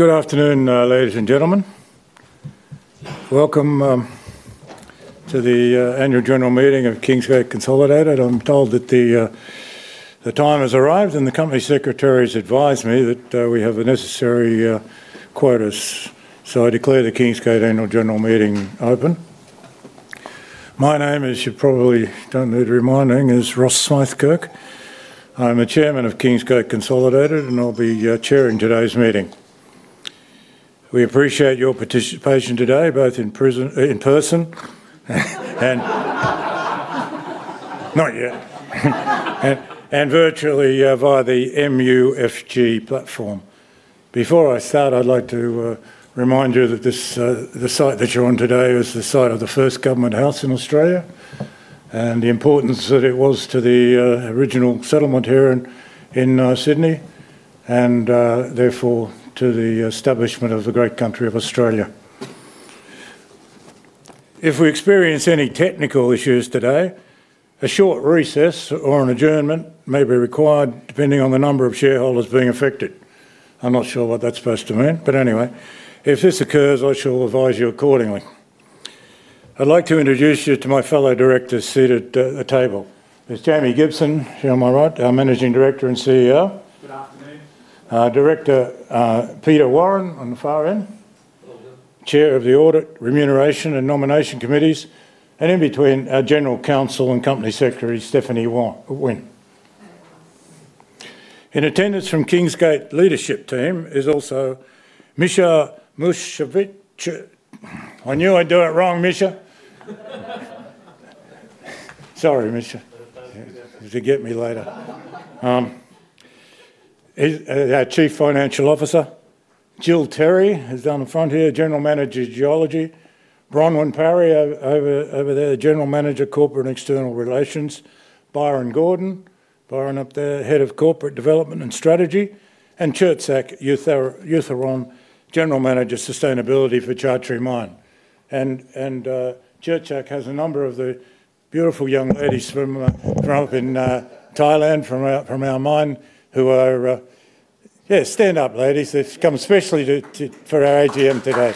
Good afternoon, ladies and gentlemen. Welcome to the annual general meeting of Kingsgate Consolidated. I'm told that the time has arrived, and the company secretary has advised me that we have the necessary quotas, so I declare the Kingsgate annual general meeting open. My name is, you probably don't need reminding, is Ross Smyth-Kirk. I'm the Chairman of Kingsgate Consolidated, and I'll be chairing today's meeting. We appreciate your participation today, both in person and—not yet—and virtually via the MUFG platform. Before I start, I'd like to remind you that the site that you're on today is the site of the first government house in Australia and the importance that it was to the original settlement here in Sydney and therefore to the establishment of the great country of Australia. If we experience any technical issues today, a short recess or an adjournment may be required depending on the number of shareholders being affected. I'm not sure what that's supposed to mean, but anyway, if this occurs, I shall advise you accordingly. I'd like to introduce you to my fellow directors seated at the table. There's Jamie Gibson, if you're on my right, our Managing Director and CEO. Good afternoon. Director Peter Warren on the far end. Well done. Chair of the Audit, Remuneration and Nomination Committees, and in between our General Counsel and Company Secretary, Stephanie Wen. In attendance from Kingsgate leadership team is also Mischa Mutavdzic—I knew I'd do it wrong, Mischa. Sorry, Mischa. That's okay. You can get me later. Our Chief Financial Officer, Jill Terry, who's down the front here, General Manager Geology, Bronwyn Parry over there, General Manager Corporate and External Relations, Byron Gordon, Byron up there, Head of Corporate Development and Strategy, and Cherdsak Utha-aroon, General Manager Sustainability for Chatree Mine. Cherdsak has a number of the beautiful young ladies from up in Thailand, from our mine, who are, yeah, stand-up ladies. They've come especially for our AGM today.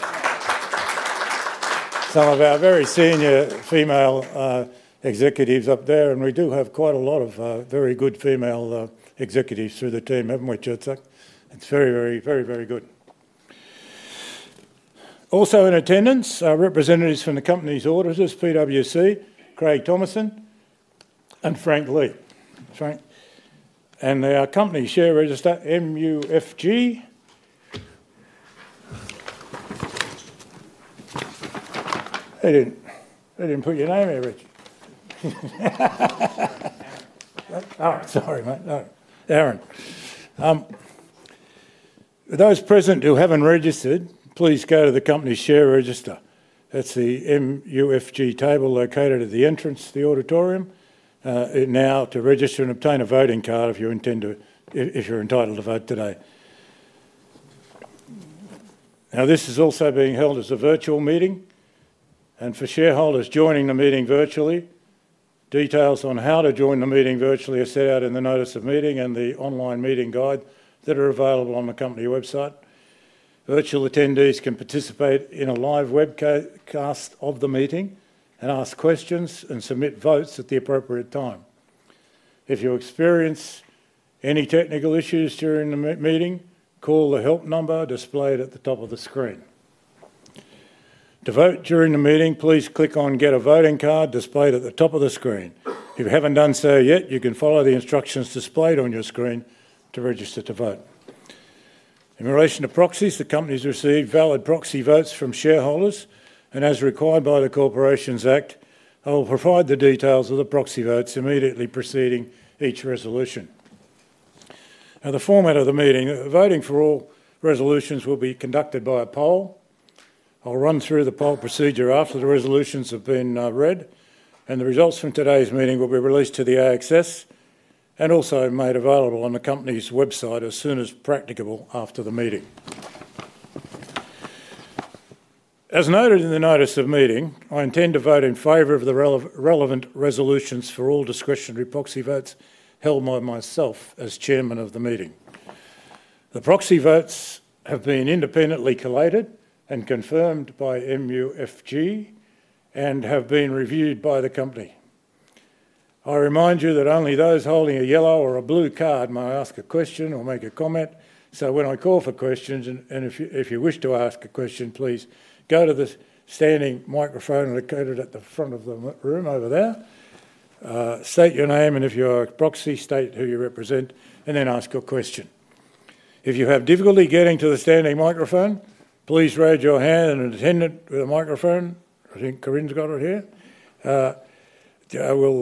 Some of our very senior female executives up there, and we do have quite a lot of very good female executives through the team, haven't we, Cherdsak? It's very, very, very, very good. Also in attendance are representatives from the company's auditors, PwC, Craig Thomason, and Frank Lee. Frank. And our company share register, MUFG. He didn't put your name here, Richard. Oh, sorry, mate. No. Aaron. For those present who haven't registered, please go to the company share register. That's the MUFG table located at the entrance to the auditorium. Now to register and obtain a voting card if you intend to—if you're entitled to vote today. Now, this is also being held as a virtual meeting, and for shareholders joining the meeting virtually, details on how to join the meeting virtually are set out in the notice of meeting and the online meeting guide that are available on the company website. Virtual attendees can participate in a live webcast of the meeting and ask questions and submit votes at the appropriate time. If you experience any technical issues during the meeting, call the help number displayed at the top of the screen. To vote during the meeting, please click on "Get a Voting Card," displayed at the top of the screen. If you haven't done so yet, you can follow the instructions displayed on your screen to register to vote. In relation to proxies, the company has received valid proxy votes from shareholders, and as required by the Corporations Act, I will provide the details of the proxy votes immediately preceding each resolution. Now, the format of the meeting: voting for all resolutions will be conducted by a poll. I'll run through the poll procedure after the resolutions have been read, and the results from today's meeting will be released to the ASX and also made available on the company's website as soon as practicable after the meeting. As noted in the notice of meeting, I intend to vote in favor of the relevant resolutions for all discretionary proxy votes held by myself as Chairman of the meeting. The proxy votes have been independently collated and confirmed by MUFG and have been reviewed by the company. I remind you that only those holding a yellow or a blue card may ask a question or make a comment. When I call for questions, if you wish to ask a question, please go to the standing microphone located at the front of the room over there. State your name, and if you're a proxy, state who you represent, and then ask your question. If you have difficulty getting to the standing microphone, please raise your hand, and an attendant with a microphone—I think Corinne's got it here—will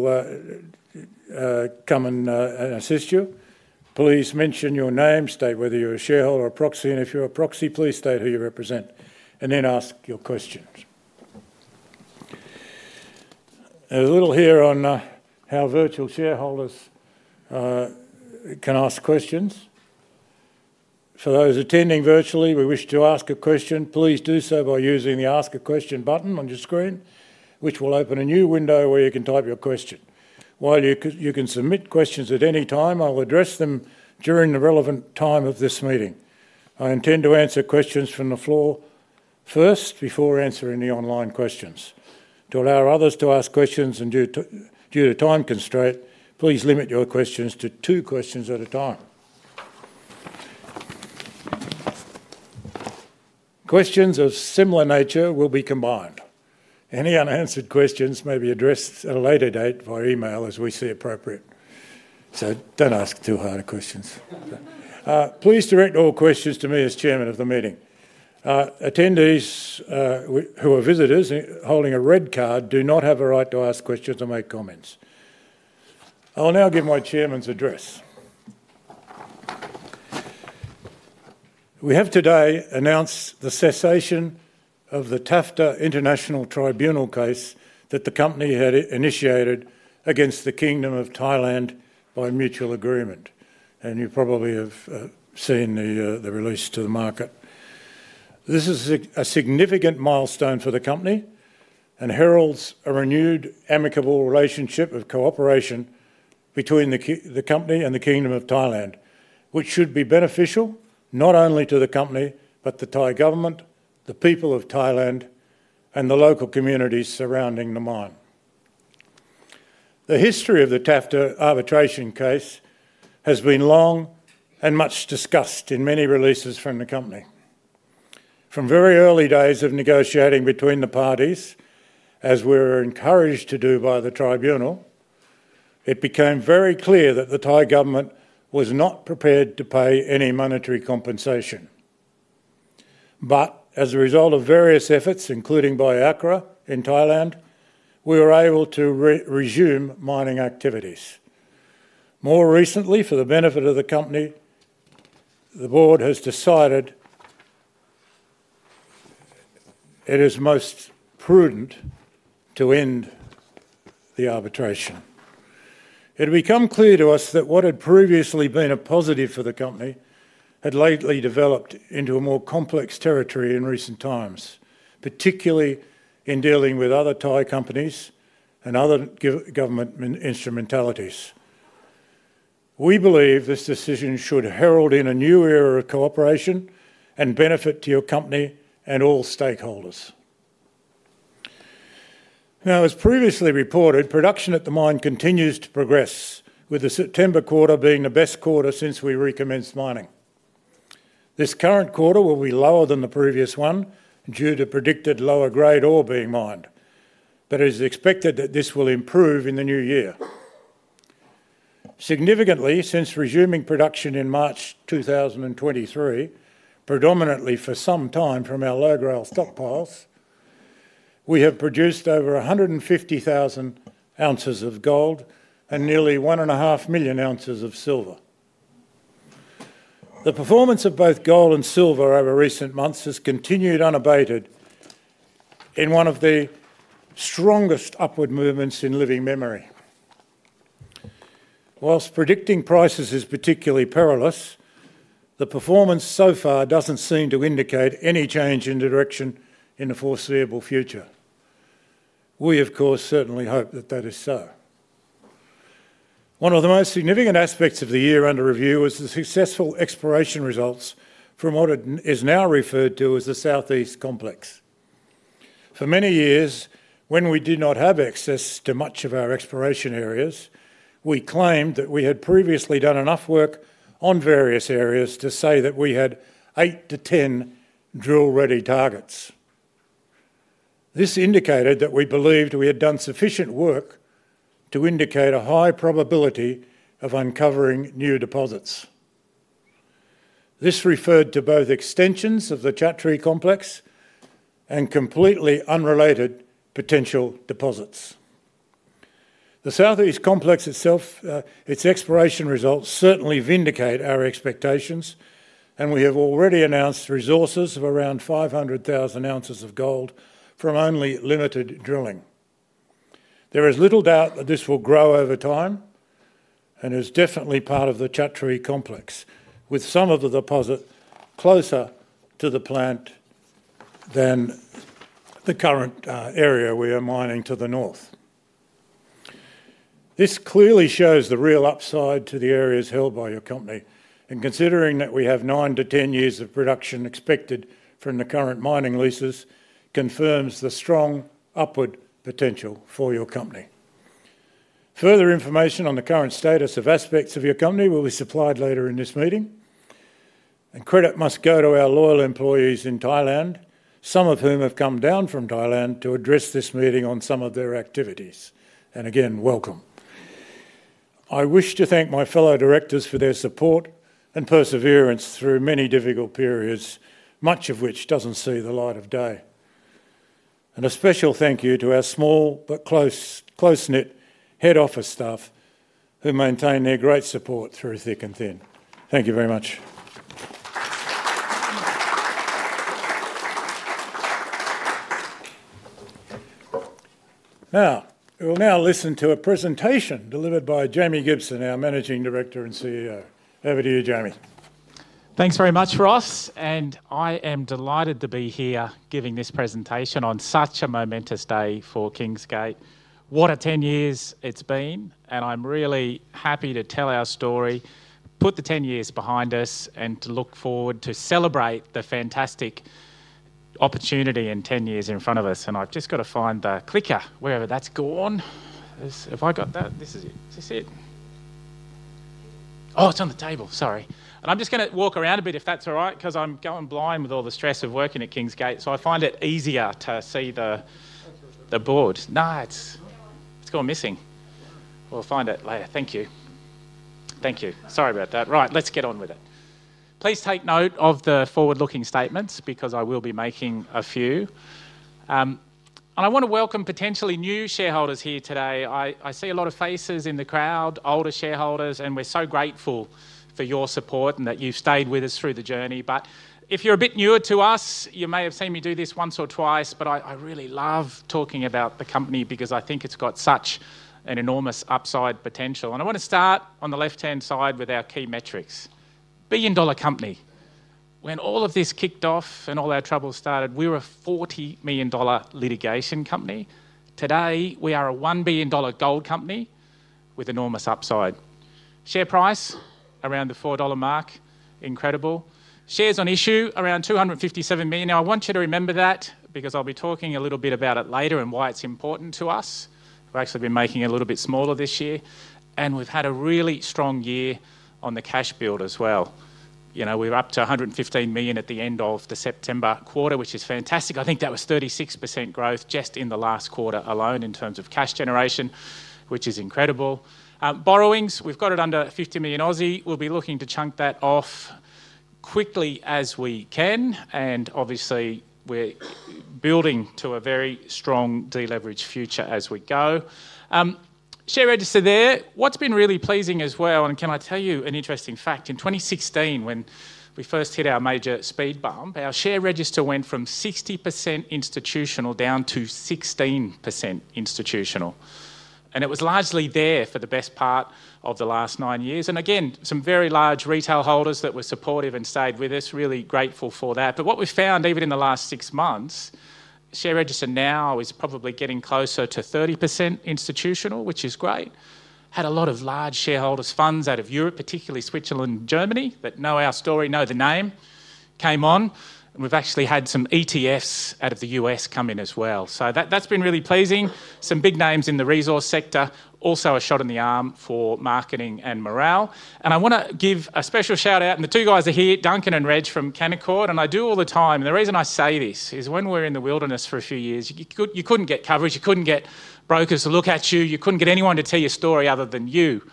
come and assist you. Please mention your name, state whether you're a shareholder or a proxy, and if you're a proxy, please state who you represent, and then ask your questions. There's a little here on how virtual shareholders can ask questions. For those attending virtually, we wish to ask a question. Please do so by using the "Ask a Question" button on your screen, which will open a new window where you can type your question. While you can submit questions at any time, I'll address them during the relevant time of this meeting. I intend to answer questions from the floor first before answering the online questions. To allow others to ask questions and due to time constraint, please limit your questions to two questions at a time. Questions of similar nature will be combined. Any unanswered questions may be addressed at a later date via email as we see appropriate, so don't ask too hard questions. Please direct all questions to me as Chairman of the meeting. Attendees who are visitors holding a red card do not have a right to ask questions or make comments. I'll now give my Chairman's address. We have today announced the cessation of the TAFTA International Tribunal case that the company had initiated against the Kingdom of Thailand by mutual agreement, and you probably have seen the release to the market. This is a significant milestone for the company and heralds a renewed amicable relationship of cooperation between the company and the Kingdom of Thailand, which should be beneficial not only to the company but the Thai government, the people of Thailand, and the local communities surrounding the mine. The history of the TAFTA arbitration case has been long and much discussed in many releases from the company. From very early days of negotiating between the parties, as we were encouraged to do by the tribunal, it became very clear that the Thai government was not prepared to pay any monetary compensation. As a result of various efforts, including by Akara in Thailand, we were able to resume mining activities. More recently, for the benefit of the company, the board has decided it is most prudent to end the arbitration. It became clear to us that what had previously been a positive for the company had lately developed into a more complex territory in recent times, particularly in dealing with other Thai companies and other government instrumentalities. We believe this decision should herald in a new era of cooperation and benefit your company and all stakeholders. Now, as previously reported, production at the mine continues to progress, with the September quarter being the best quarter since we recommenced mining. This current quarter will be lower than the previous one due to predicted lower-grade ore being mined, but it is expected that this will improve in the new year. Significantly, since resuming production in March 2023, predominantly for some time from our low-growth stockpiles, we have produced over 150,000 oz of gold and nearly one and a half million oz of silver. The performance of both gold and silver over recent months has continued unabated in one of the strongest upward movements in living memory. Whilst predicting prices is particularly perilous, the performance so far does not seem to indicate any change in direction in the foreseeable future. We, of course, certainly hope that that is so. One of the most significant aspects of the year under review was the successful exploration results from what is now referred to as the South-East Complex. For many years, when we did not have access to much of our exploration areas, we claimed that we had previously done enough work on various areas to say that we had eight to ten drill-ready targets. This indicated that we believed we had done sufficient work to indicate a high probability of uncovering new deposits. This referred to both extensions of the Chatree Complex and completely unrelated potential deposits. The South-East Complex itself, its exploration results certainly vindicate our expectations, and we have already announced resources of around 500,000 oz of gold from only limited drilling. There is little doubt that this will grow over time and is definitely part of the Chatree Complex, with some of the deposit closer to the plant than the current area we are mining to the North. This clearly shows the real upside to the areas held by your company, and considering that we have nine to ten years of production expected from the current mining leases confirms the strong upward potential for your company. Further information on the current status of aspects of your company will be supplied later in this meeting, and credit must go to our loyal employees in Thailand, some of whom have come down from Thailand to address this meeting on some of their activities. Again, welcome. I wish to thank my fellow directors for their support and perseverance through many difficult periods, much of which does not see the light of day. A special thank you to our small but close-knit head office staff who maintain their great support through thick and thin. Thank you very much. Now, we will now listen to a presentation delivered by Jamie Gibson, our Managing Director and CEO. Over to you, Jamie. Thanks very much, Ross. I am delighted to be here giving this presentation on such a momentous day for Kingsgate. What a ten years it's been, and I'm really happy to tell our story, put the ten years behind us, and to look forward to celebrate the fantastic opportunity and ten years in front of us. I've just got to find the clicker, wherever that's gone. If I got that, this is it. Oh, it's on the table. Sorry. I'm just going to walk around a bit, if that's all right, because I'm going blind with all the stress of working at Kingsgate, so I find it easier to see the board. No, it's gone missing. We'll find it later. Thank you. Thank you. Sorry about that. Right, let's get on with it. Please take note of the forward-looking statements because I will be making a few. I want to welcome potentially new shareholders here today. I see a lot of faces in the crowd, older shareholders, and we're so grateful for your support and that you've stayed with us through the journey. If you're a bit newer to us, you may have seen me do this once or twice, but I really love talking about the company because I think it's got such an enormous upside potential. I want to start on the left-hand side with our key metrics. Billion-dollar company. When all of this kicked off and all our troubles started, we were a 40 million dollar litigation company. Today, we are a 1 billion dollar gold company with enormous upside. Share price around the 4 dollar mark. Incredible. Shares on issue around 257 million. Now, I want you to remember that because I'll be talking a little bit about it later and why it's important to us. We've actually been making it a little bit smaller this year, and we've had a really strong year on the cash build as well. We were up to 115 million at the end of the September quarter, which is fantastic. I think that was 36% growth just in the last quarter alone in terms of cash generation, which is incredible. Borrowings, we've got it under 50 million. We'll be looking to chunk that off quickly as we can, and obviously, we're building to a very strong deleveraged future as we go. Share register there. What's been really pleasing as well, and can I tell you an interesting fact? In 2016, when we first hit our major speed bump, our share register went from 60% institutional down to 16% institutional, and it was largely there for the best part of the last nine years. Again, some very large retail holders that were supportive and stayed with us, really grateful for that. What we found even in the last six months, share register now is probably getting closer to 30% institutional, which is great. Had a lot of large shareholders' funds out of Europe, particularly Switzerland and Germany, that know our story, know the name, came on, and we've actually had some ETFs out of the U.S. come in as well. That has been really pleasing. Some big names in the resource sector, also a shot in the arm for marketing and morale. I want to give a special shout-out, and the two guys are here, Duncan and Reg from Canaccord, and I do all the time. The reason I say this is when we were in the wilderness for a few years, you couldn't get coverage, you couldn't get brokers to look at you, you couldn't get anyone to tell you a story other than you.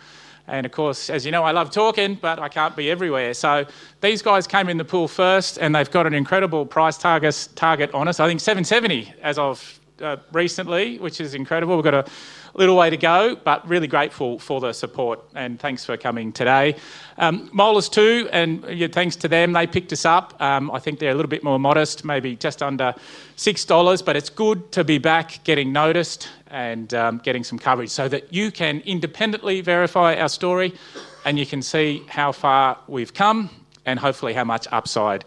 Of course, as you know, I love talking, but I can't be everywhere. These guys came in the pool first, and they've got an incredible price target on us. I think 7.70 as of recently, which is incredible. We've got a little way to go, but really grateful for the support, and thanks for coming today. Molars too, and thanks to them, they picked us up. I think they're a little bit more modest, maybe just under 6 dollars, but it's good to be back getting noticed and getting some coverage so that you can independently verify our story, and you can see how far we've come and hopefully how much upside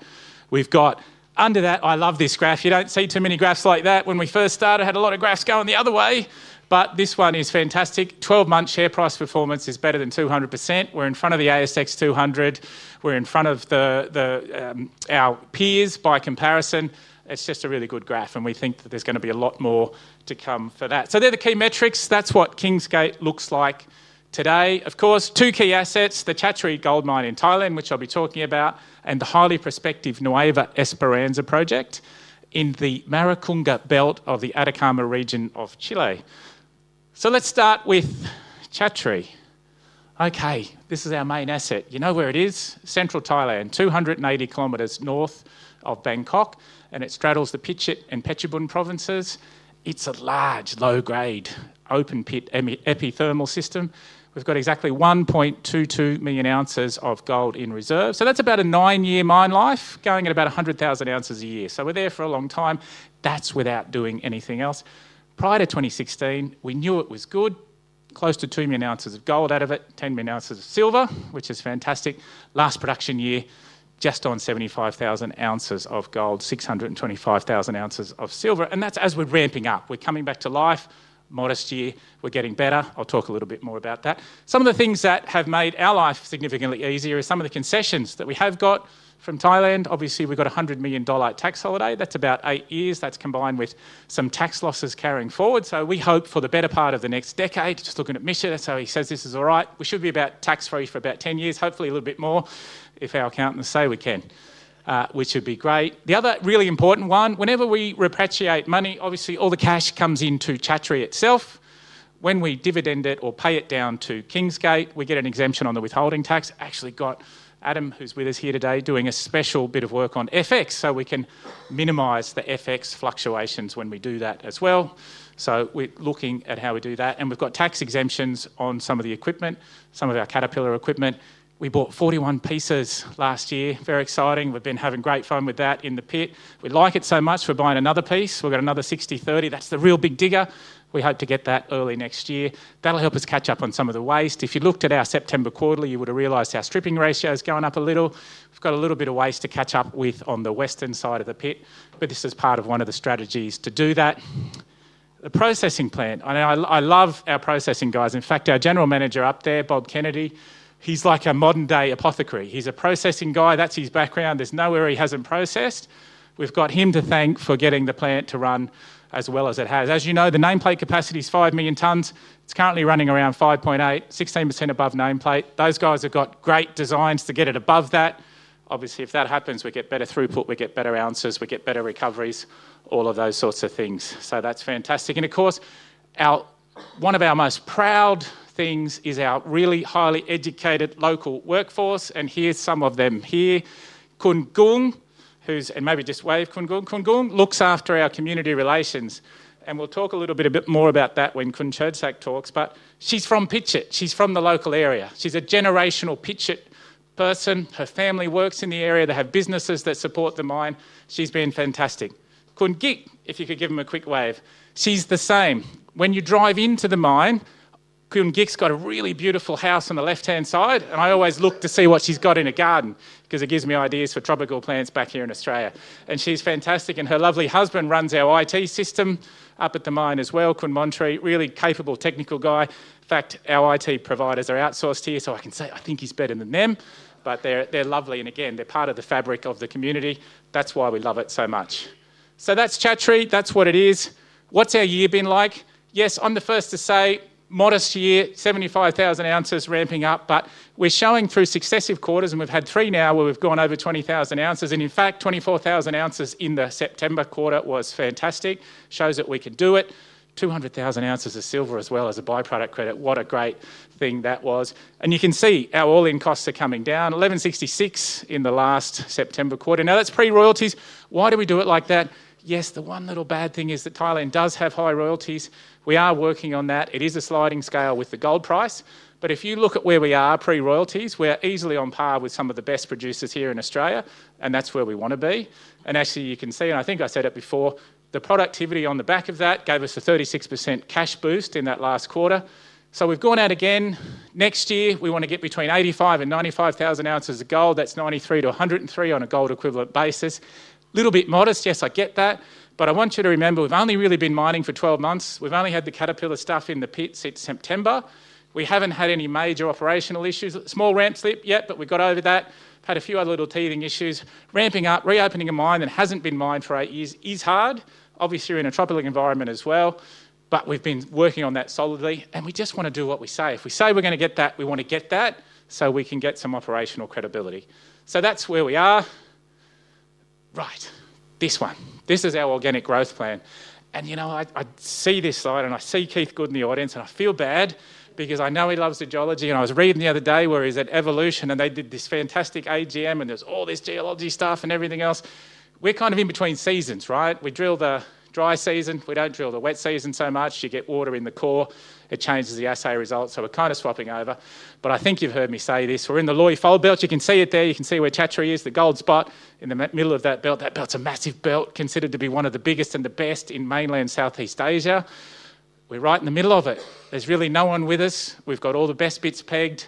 we've got. Under that, I love this graph. You don't see too many graphs like that. When we first started, I had a lot of graphs going the other way, but this one is fantastic. Twelve-month share price performance is better than 200%. We're in front of the ASX 200. We're in front of our peers by comparison. It's just a really good graph, and we think that there's going to be a lot more to come for that. They're the key metrics. That's what Kingsgate looks like today. Of course, two key assets, the Chatree Gold Mine in Thailand, which I'll be talking about, and the highly prospective Nueva Esperanza project in the Maricunga Belt of the Atacama Region of Chile. Let's start with Chatree. Okay, this is our main asset. You know where it is? Central Thailand, 280 km North of Bangkok, and it straddles the Phichit and Phetchabun provinces. It's a large, low-grade, open-pit epithermal system. We've got exactly 1.22 million oz of gold in reserve. That's about a nine-year mine life going at about 100,000 oz a year. We're there for a long time. That's without doing anything else. Prior to 2016, we knew it was good. Close to 2 million oz of gold out of it, 10 million oz of silver, which is fantastic. Last production year, just on 75,000 z of gold, 625,000 oz of silver. That is as we are ramping up. We are coming back to life, modest year. We are getting better. I will talk a little bit more about that. Some of the things that have made our life significantly easier are some of the concessions that we have got from Thailand. Obviously, we have got a 100 million dollar tax holiday. That is about eight years. That is combined with some tax losses carrying forward. We hope for the better part of the next decade, just looking at Mischa. He says this is all right. We should be about tax-free for about 10 years, hopefully a little bit more if our accountants say we can, which would be great. The other really important one, whenever we repatriate money, obviously all the cash comes into Chatree itself. When we dividend it or pay it down to Kingsgate, we get an exemption on the withholding tax. Actually got Adam, who's with us here today, doing a special bit of work on FX so we can minimize the FX fluctuations when we do that as well. We are looking at how we do that. We have got tax exemptions on some of the equipment, some of our Caterpillar equipment. We bought 41 pieces last year. Very exciting. We have been having great fun with that in the pit. We like it so much. We are buying another piece. We have got another 60/30. That is the real big digger. We hope to get that early next year. That will help us catch up on some of the waste. If you looked at our September quarter, you would have realized our stripping ratio is going up a little. We've got a little bit of waste to catch up with on the Western side of the pit, but this is part of one of the strategies to do that. The processing plant. I love our processing guys. In fact, our General Manager up there, Bob Kennedy, he's like a modern-day apothecary. He's a processing guy. That's his background. There's nowhere he hasn't processed. We've got him to thank for getting the plant to run as well as it has. As you know, the nameplate capacity is 5 million tons. It's currently running around 5.8 million, 16% above nameplate. Those guys have got great designs to get it above that. Obviously, if that happens, we get better throughput, we get better ounces, we get better recoveries, all of those sorts of things. That is fantastic. Of course, one of our most proud things is our really highly educated local workforce. Here's some of them here. [Khun Koong], who's, and maybe just wave, [Khun Koong]. [Khun Koong] looks after our community relations. We'll talk a little bit more about that when Khun Cherdsak talks, but she's from Phichit. She's from the local area. She's a generational Phichit person. Her family works in the area. They have businesses that support the mine. She's been fantastic. [Khun Gik], if you could give him a quick wave. She's the same. When you drive into the mine, [Khun Gik]'s got a really beautiful house on the left-hand side, and I always look to see what she's got in a garden because it gives me ideas for tropical plants back here in Australia. She's fantastic. Her lovely husband runs our IT system up at the mine as well, [Khun Montree], really capable technical guy. In fact, our IT providers are outsourced here, so I can say I think he's better than them, but they're lovely. Again, they're part of the fabric of the community. That's why we love it so much. That's Chatree. That's what it is. What's our year been like? Yes, I'm the first to say modest year, 75,000 oz ramping up, but we're showing through successive quarters, and we've had three now where we've gone over 20,000 oz. In fact, 24,000 oz in the September quarter was fantastic. Shows that we could do it. 200,000 oz of silver as well as a byproduct credit. What a great thing that was. You can see our all-in costs are coming down, 1,166 in the last September quarter. Now, that's pre-royalties. Why do we do it like that? Yes, the one little bad thing is that Thailand does have high royalties. We are working on that. It is a sliding scale with the gold price, but if you look at where we are pre-royalties, we're easily on par with some of the best producers here in Australia, and that's where we want to be. Actually, you can see, and I think I said it before, the productivity on the back of that gave us a 36% cash boost in that last quarter. We've gone out again. Next year, we want to get between 85,000 and 95,000 oz of gold. That's 93,000-103,000 on a gold-equivalent basis. A little bit modest. Yes, I get that. I want you to remember, we've only really been mining for 12 months. We've only had the Caterpillar stuff in the pit since September. We haven't had any major operational issues. Small ramp slip yet, but we've got over that. Had a few other little teething issues. Ramping up, reopening a mine that hasn't been mined for eight years is hard. Obviously, we're in a tropical environment as well, but we've been working on that solidly, and we just want to do what we say. If we say we're going to get that, we want to get that so we can get some operational credibility. That's where we are. Right, this one. This is our organic growth plan. You know I see this slide, and I see [Keith Goode] in the audience, and I feel bad because I know he loves the geology, and I was reading the other day where he's at Evolution, and they did this fantastic AGM, and there's all this geology stuff and everything else. We're kind of in between seasons, right? We drill the dry season. We don't drill the wet season so much. You get water in the core. It changes the assay results, so we're kind of swapping over. I think you've heard me say this. We're in the Loei Fold Belt. You can see it there. You can see where Chatree is, the gold spot in the middle of that belt. That belt's a massive belt, considered to be one of the biggest and the best in mainland SouthEast Asia. We're right in the middle of it. There's really no one with us. We've got all the best bits pegged.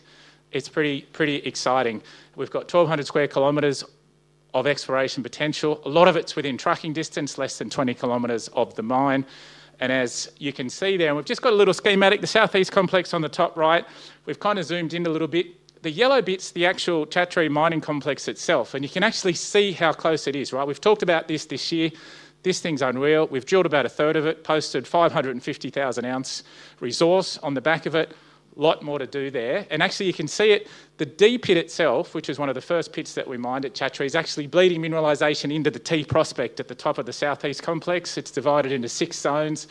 It's pretty exciting. We've got 1,200 sq km of exploration potential. A lot of it's within trucking distance, less than 20 km of the mine. As you can see there, and we've just got a little schematic, the South-East Complex on the top right. We've kind of zoomed in a little bit. The yellow bit's the actual Chatree mining complex itself, and you can actually see how close it is, right? We've talked about this this year. This thing's unreal. We've drilled about a third of it, posted 550,000 ounce z resource on the back of it. A lot more to do there. Actually, you can see it. The D pit itself, which is one of the first pits that we mined at Chatree, is actually bleeding mineralisation into the T prospect at the top of the South-East Complex. It's divided into six zones.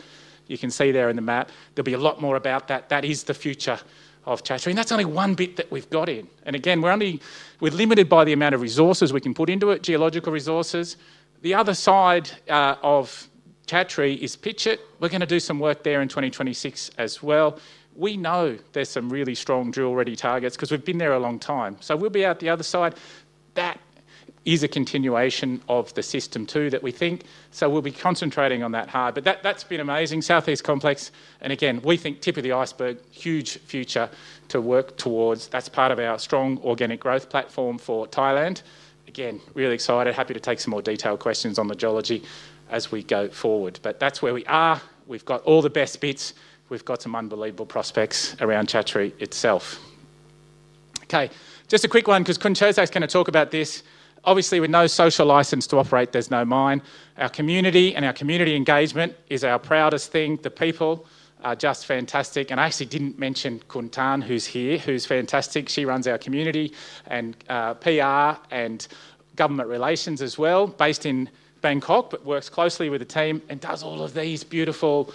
You can see there in the map. There'll be a lot more about that. That is the future of Chatree. That's only one bit that we've got in. We're limited by the amount of resources we can put into it, geological resources. The other side of Chatree is Pichit. We're going to do some work there in 2026 as well. We know there's some really strong drill-ready targets because we've been there a long time. We'll be out the other side. That is a continuation of the system too that we think. We'll be concentrating on that hard. That's been amazing, South-East Complex. We think tip of the iceberg, huge future to work towards. That's part of our strong organic growth platform for Thailand. Really excited. Happy to take some more detailed questions on the geology as we go forward. That's where we are. We've got all the best bits. We've got some unbelievable prospects around Chatree itself. Okay, just a quick one because Khun Cherdsak's going to talk about this. Obviously, with no social license to operate, there's no mine. Our community and our community engagement is our proudest thing. The people are just fantastic. I actually didn't mention [Khun Tan], who's here, who's fantastic. She runs our community and PR and government relations as well, based in Bangkok, but works closely with the team and does all of these beautiful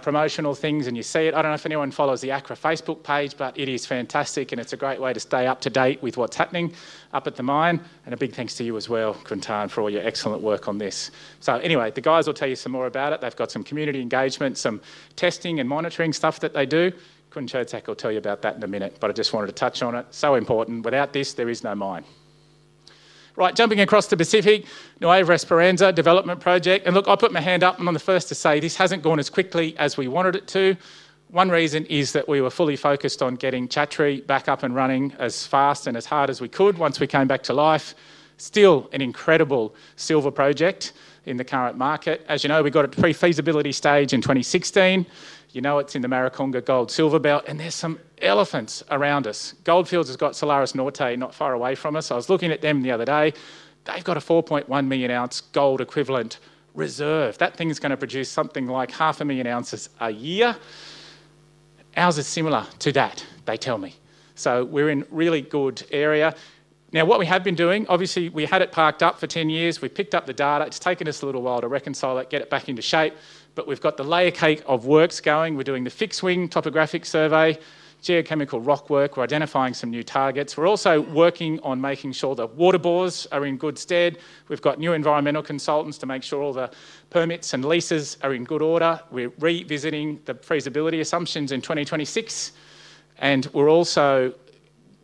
promotional things. You see it. I don't know if anyone follows the Akara Facebook page, but it is fantastic, and it's a great way to stay up to date with what's happening up at the mine. A big thanks to you as well, [Khun Tan], for all your excellent work on this. The guys will tell you some more about it. They've got some community engagement, some testing and monitoring stuff that they do. Khun Cherdsak will tell you about that in a minute, but I just wanted to touch on it. So important. Without this, there is no mine. Right, jumping across the Pacific, Nueva Esperanza Development Project. And look, I put my hand up. I'm the first to say this hasn't gone as quickly as we wanted it to. One reason is that we were fully focused on getting Chatree back up and running as fast and as hard as we could once we came back to life. Still an incredible silver project in the current market. As you know, we got it pre-feasibility stage in 2016. You know it's in the Maricunga Gold Silver Belt, and there's some elephants around us. Gold Fields has got Solaris Norte not far away from us. I was looking at them the other day. They've got a 4.1 million ounce gold-equivalent reserve. That thing's going to produce something like 500,000 oz a year. Ours is similar to that, they tell me. So we're in really good area. Now, what we have been doing, obviously, we had it parked up for 10 years. We picked up the data. It's taken us a little while to reconcile it, get it back into shape, but we've got the layer cake of works going. We're doing the fixed-wing topographic survey, geochemical rock work. We're identifying some new targets. We're also working on making sure the water bores are in good stead. We've got new environmental consultants to make sure all the permits and leases are in good order. We're revisiting the feasibility assumptions in 2026. And we're also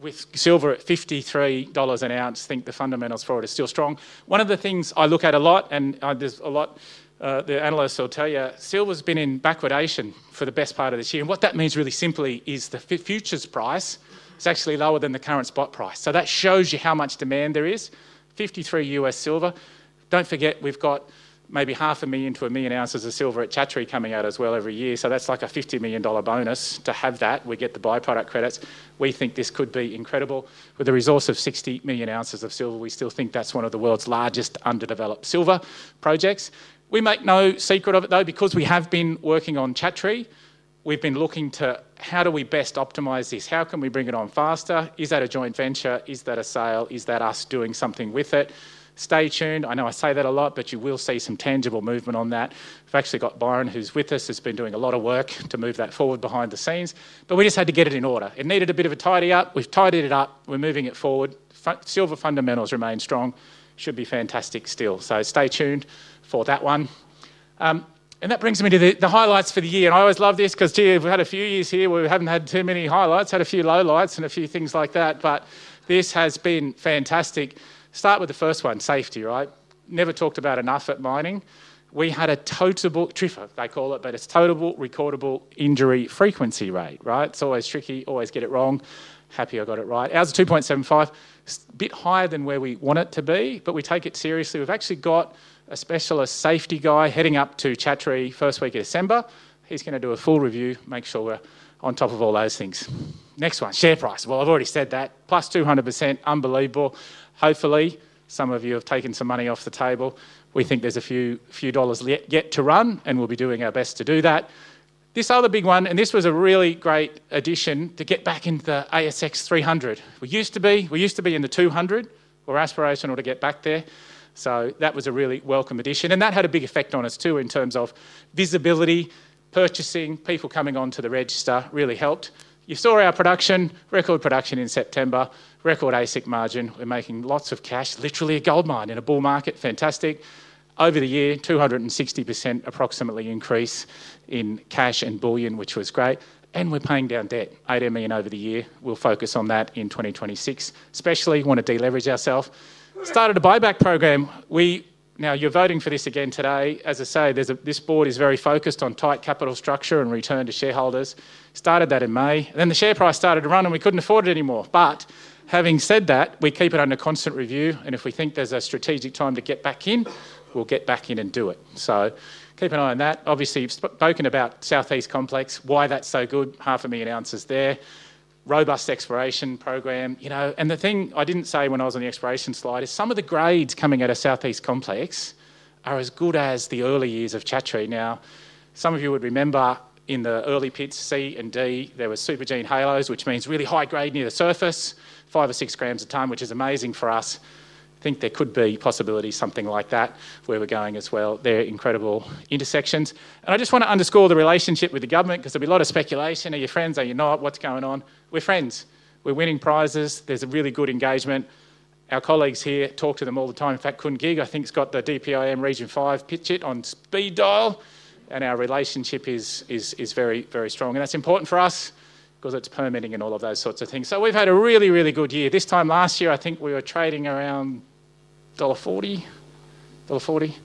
with silver at 53 dollars an ounce. I think the fundamentals for it are still strong. One of the things I look at a lot, and there's a lot the analysts will tell you, silver's been in backwardation for the best part of this year. What that means really simply is the futures price is actually lower than the current spot price. That shows you how much demand there is. 53 U.S. silver. Don't forget, we've got maybe 500,000 oz-1,000,000 oz of silver at Chatree coming out as well every year. That's like a 50 million dollar bonus to have that. We get the byproduct credits. We think this could be incredible. With the resource of 60 million oz of silver, we still think that's one of the world's largest underdeveloped silver projects. We make no secret of it, though, because we have been working on Chatree. We've been looking to how do we best optimize this? How can we bring it on faster? Is that a joint venture? Is that a sale? Is that us doing something with it? Stay tuned. I know I say that a lot, but you will see some tangible movement on that. We've actually got Byron, who's with us, who's been doing a lot of work to move that forward behind the scenes. We just had to get it in order. It needed a bit of a tidy up. We've tidied it up. We're moving it forward. Silver fundamentals remain strong. Should be fantastic still. Stay tuned for that one. That brings me to the highlights for the year. I always love this because gee, we've had a few years here where we haven't had too many highlights, had a few lowlights and a few things like that. This has been fantastic. Start with the first one, safety, right? Never talked about enough at mining. We had a total, TRIFR, they call it, but it's total recordable injury frequency rate, right? It's always tricky, always get it wrong. Happy I got it right. Ours is 2.75. It's a bit higher than where we want it to be, but we take it seriously. We've actually got a specialist safety guy heading up to Chatree first week of December. He's going to do a full review, make sure we're on top of all those things. Next one, share price. I've already said that. +200%, unbelievable. Hopefully, some of you have taken some money off the table. We think there's a few dollars yet to run, and we'll be doing our best to do that. This other big one, this was a really great addition to get back into the ASX 300. We used to be, we used to be in the 200. We're aspirational to get back there. That was a really welcome addition. That had a big effect on us too in terms of visibility, purchasing, people coming onto the register really helped. You saw our production, record production in September, record AISC margin. We're making lots of cash, literally a gold mine in a bull market, fantastic. Over the year, 260% approximately increase in cash and bullion, which was great. We're paying down debt, 8 million over the year. We'll focus on that in 2026, especially if we want to deleverage ourself. Started a buyback program. Now, you're voting for this again today. As I say, this board is very focused on tight capital structure and return to shareholders. Started that in May. Then the share price started to run and we couldn't afford it anymore. Having said that, we keep it under constant review. If we think there's a strategic time to get back in, we'll get back in and do it. Keep an eye on that. Obviously, you've spoken about South-East Complex, why that's so good, 500,000 oz there, robust exploration program. The thing I didn't say when I was on the exploration slide is some of the grades coming out of South-East Complex are as good as the early years of Chatree. Now, some of you would remember in the early pits C and D, there were super-gene halos, which means really high grade near the surface, five or six grams a time, which is amazing for us. I think there could be possibility, something like that, where we're going as well. They're incredible intersections. I just want to underscore the relationship with the government because there'll be a lot of speculation. Are you friends? Are you not? What's going on? We're friends. We're winning prizes. There's a really good engagement. Our colleagues here, talk to them all the time. In fact, [Khun Gik], I think's got the DPIM Region 5 Phichit on speed dial. Our relationship is very, very strong. That's important for us because it's permitting and all of those sorts of things. We've had a really, really good year. This time last year, I think we were trading around 1.40 dollar, 4 dollars,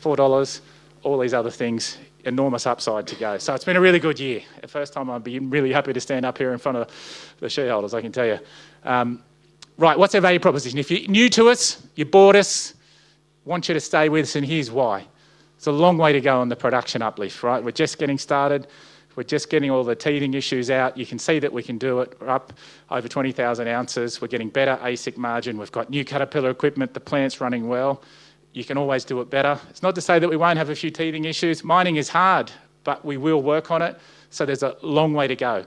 4 dollars, all these other things, enormous upside to go. It has been a really good year. The first time I'd be really happy to stand up here in front of the shareholders, I can tell you. Right, what's our value proposition? If you're new to us, you bought us, want you to stay with us, and here's why. It is a long way to go on the production uplift, right? We're just getting started. We're just getting all the teething issues out. You can see that we can do it. We're up over 20,000 oz. We're getting better AISC margin. We've got new Caterpillar equipment. The plant's running well. You can always do it better. It is not to say that we won't have a few teething issues. Mining is hard, but we will work on it. There is a long way to go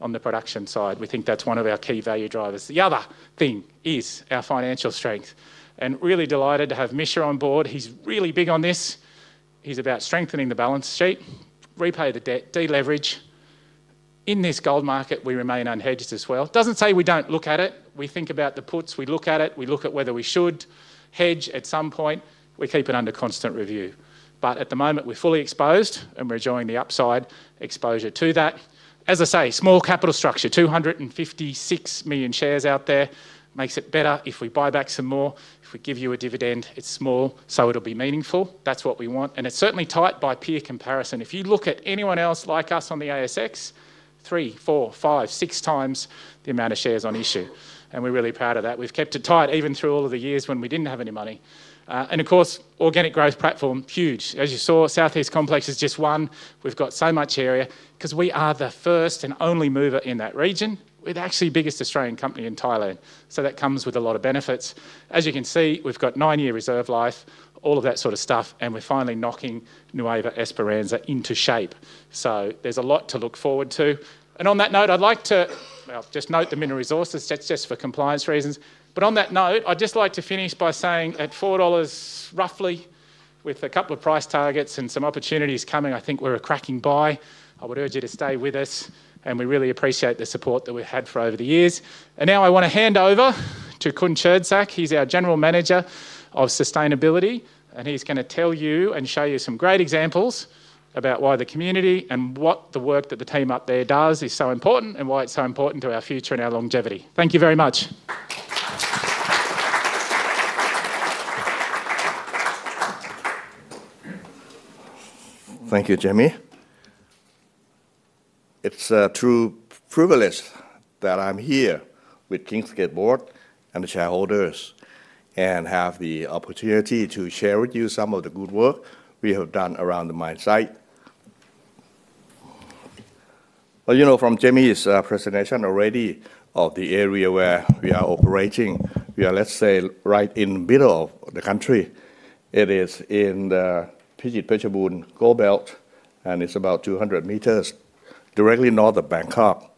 on the production side. We think that is one of our key value drivers. The other thing is our financial strength. Really delighted to have Mischa on board. He is really big on this. He is about strengthening the balance sheet, repay the debt, deleverage. In this gold market, we remain unhedged as well. Does not say we do not look at it. We think about the puts. We look at it. We look at whether we should hedge at some point. We keep it under constant review. At the moment, we are fully exposed, and we are enjoying the upside exposure to that. As I say, small capital structure, 256 million shares out there. Makes it better if we buy back some more. If we give you a dividend, it is small, so it will be meaningful. That is what we want. It is certainly tight by peer comparison. If you look at anyone else like us on the ASX, three, four, five, six times the amount of shares on issue. We are really proud of that. We have kept it tight even through all of the years when we did not have any money. Of course, organic growth platform, huge. As you saw, South-East Complex is just one. We have so much area because we are the first and only mover in that region with actually the biggest Australian company in Thailand. That comes with a lot of benefits. As you can see, we have nine-year reserve life, all of that sort of stuff, and we are finally knocking Nueva Esperanza into shape. There is a lot to look forward to. On that note, I would like to just note the mineral resources, that is just for compliance reasons. On that note, I'd just like to finish by saying at 4 dollars roughly, with a couple of price targets and some opportunities coming, I think we're a cracking buy. I would urge you to stay with us, and we really appreciate the support that we've had for over the years. Now I want to hand over to Khun Cherdsak. He's our General Manager of Sustainability, and he's going to tell you and show you some great examples about why the community and what the work that the team up there does is so important and why it's so important to our future and our longevity. Thank you very much. Thank you, Jamie. It's a true privilege that I'm here with Kingsgate Board and the shareholders and have the opportunity to share with you some of the good work we have done around the mine site. You know from Jamie's presentation already of the area where we are operating, we are, let's say, right in the middle of the country. It is in the Phichit Phetchabun Gold Belt, and it's about 200 km directly North of Bangkok.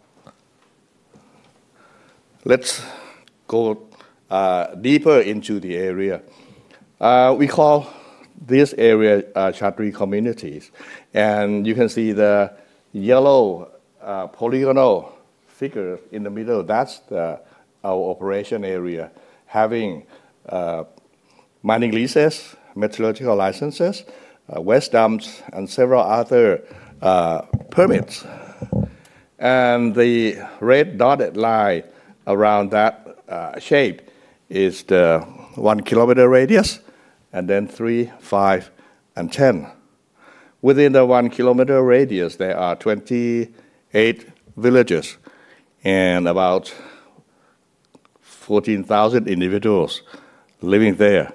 Let's go deeper into the area. We call this area Chatree Communities, and you can see the yellow polygonal figure in the middle. That's our operation area, having mining leases, metallurgical licenses, waste dumps, and several other permits. The red dotted line around that shape is the 1 km radius, and then three, five, and ten. Within the 1 km radius, there are 28 villages and about 14,000 individuals living there.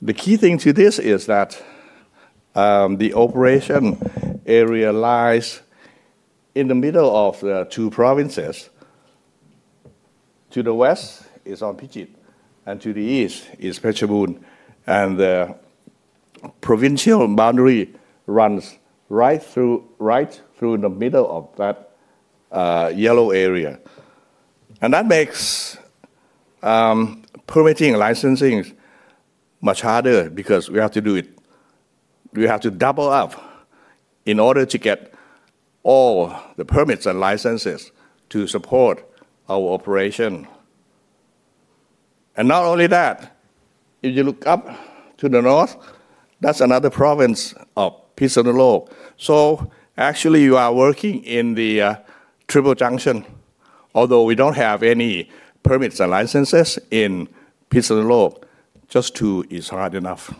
The key thing to this is that the operation area lies in the middle of the two provinces. To the West is on Phichit, and to the East is Phetchabun. The provincial boundary runs right through the middle of that yellow area. That makes permitting and licensing much harder because we have to do it. We have to double up in order to get all the permits and licenses to support our operation. Not only that, if you look up to the North, that's another province of Phitsanulok. Actually, you are working in the triple junction. Although we don't have any permits and licenses in Phitsanulok, just two is hard enough.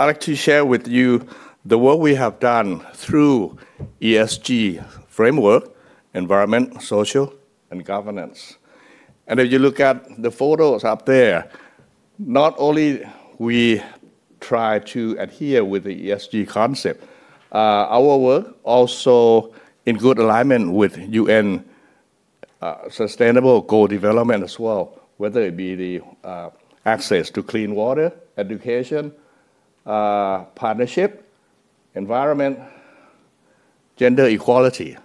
I'd like to share with you the work we have done through ESG framework, environment, social, and governance. If you look at the photos up there, not only do we try to adhere with the ESG concept, our work is also in good alignment with UN sustainable goal development as well, whether it be the access to clean water, education, partnership, environment, gender equality.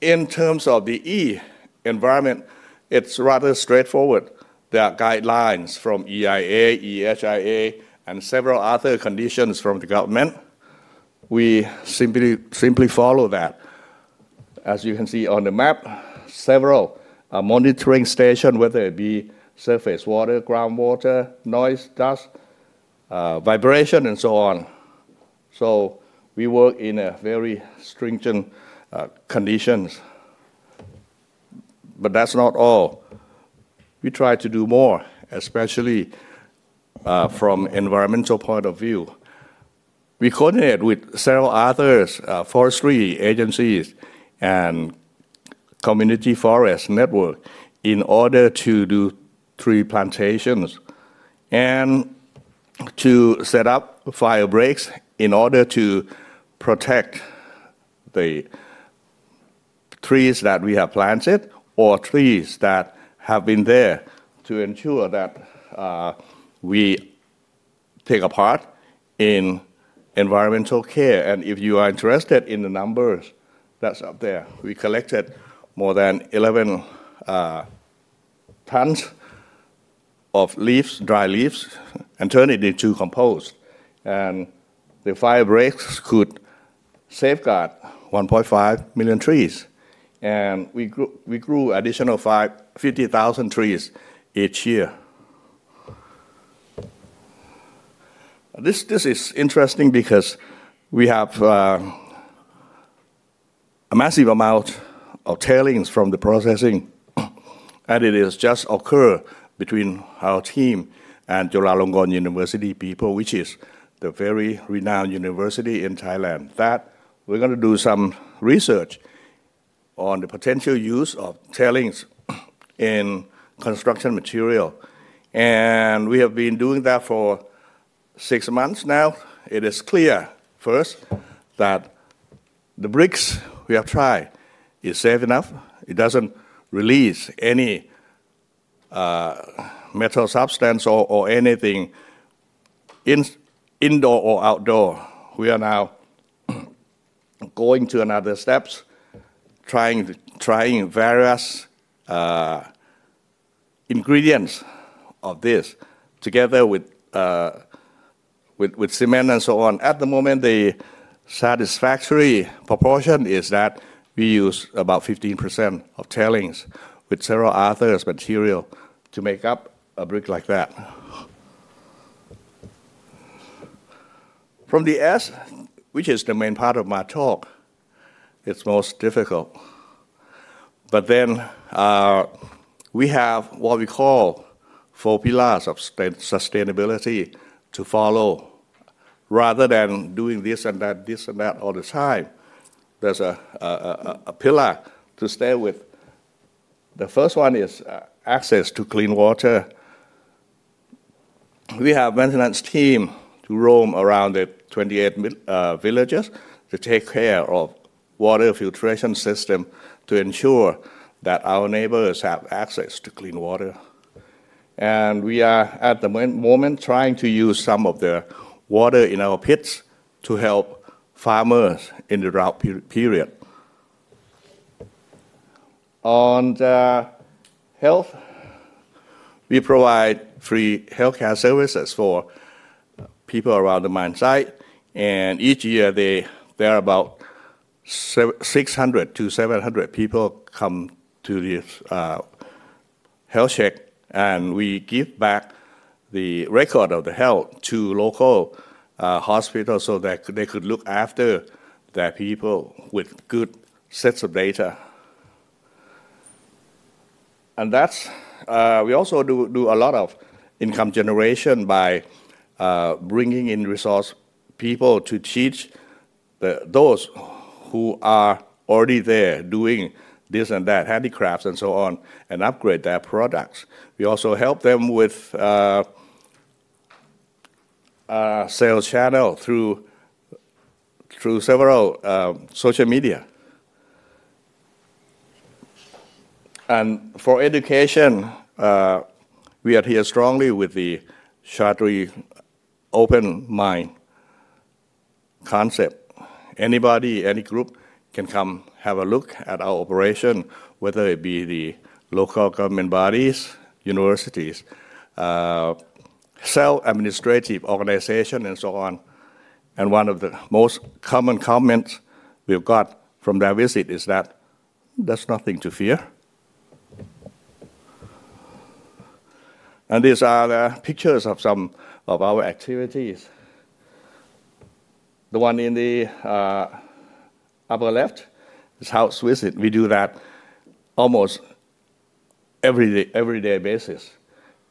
In terms of the E environment, it's rather straightforward. There are guidelines from EIA, EHIA, and several other conditions from the government. We simply follow that. As you can see on the map, several monitoring stations, whether it be surface water, groundwater, noise, dust, vibration, and so on. We work in very stringent conditions. That's not all. We try to do more, especially from an environmental point of view. We coordinate with several other forestry agencies and community forest network in order to do tree plantations and to set up fire breaks in order to protect the trees that we have planted or trees that have been there to ensure that we take a part in environmental care. If you are interested in the numbers that's up there, we collected more than 11 tons of leaves, dry leaves, and turned it into compost. The fire breaks could safeguard 1.5 million trees. We grew an additional 50,000 trees each year. This is interesting because we have a massive amount of tailings from the processing, and it has just occurred between our team and Chulalongkorn University people, which is the very renowned university in Thailand, that we're going to do some research on the potential use of tailings in construction material. We have been doing that for six months now. It is clear, first, that the bricks we have tried are safe enough. It does not release any metal substance or anything indoor or outdoor. We are now going to another step, trying various ingredients of this together with cement and so on. At the moment, the satisfactory proportion is that we use about 15% of tailings with several other materials to make up a brick like that. From the S, which is the main part of my talk, it's most difficult. We have what we call four pillars of sustainability to follow. Rather than doing this and that, this and that all the time, there's a pillar to stay with. The first one is access to clean water. We have a maintenance team to roam around the 28 villages to take care of the water filtration system to ensure that our neighbors have access to clean water. We are at the moment trying to use some of the water in our pits to help farmers in the drought period. On health, we provide free healthcare services for people around the mine site. Each year, there are about 600-700 people who come to this health check. We give back the record of the health to local hospitals so that they could look after their people with good sets of data. We also do a lot of income generation by bringing in resource people to teach those who are already there doing this and that, handicrafts and so on, and upgrade their products. We also help them with sales channels through several social media. For education, we adhere strongly with the Chatree Open Mind concept. Anybody, any group can come have a look at our operation, whether it be the local government bodies, universities, self-administrative organizations, and so on. One of the most common comments we've got from their visit is that there's nothing to fear. These are the pictures of some of our activities. The one in the upper left is how swift we do that almost every day basis.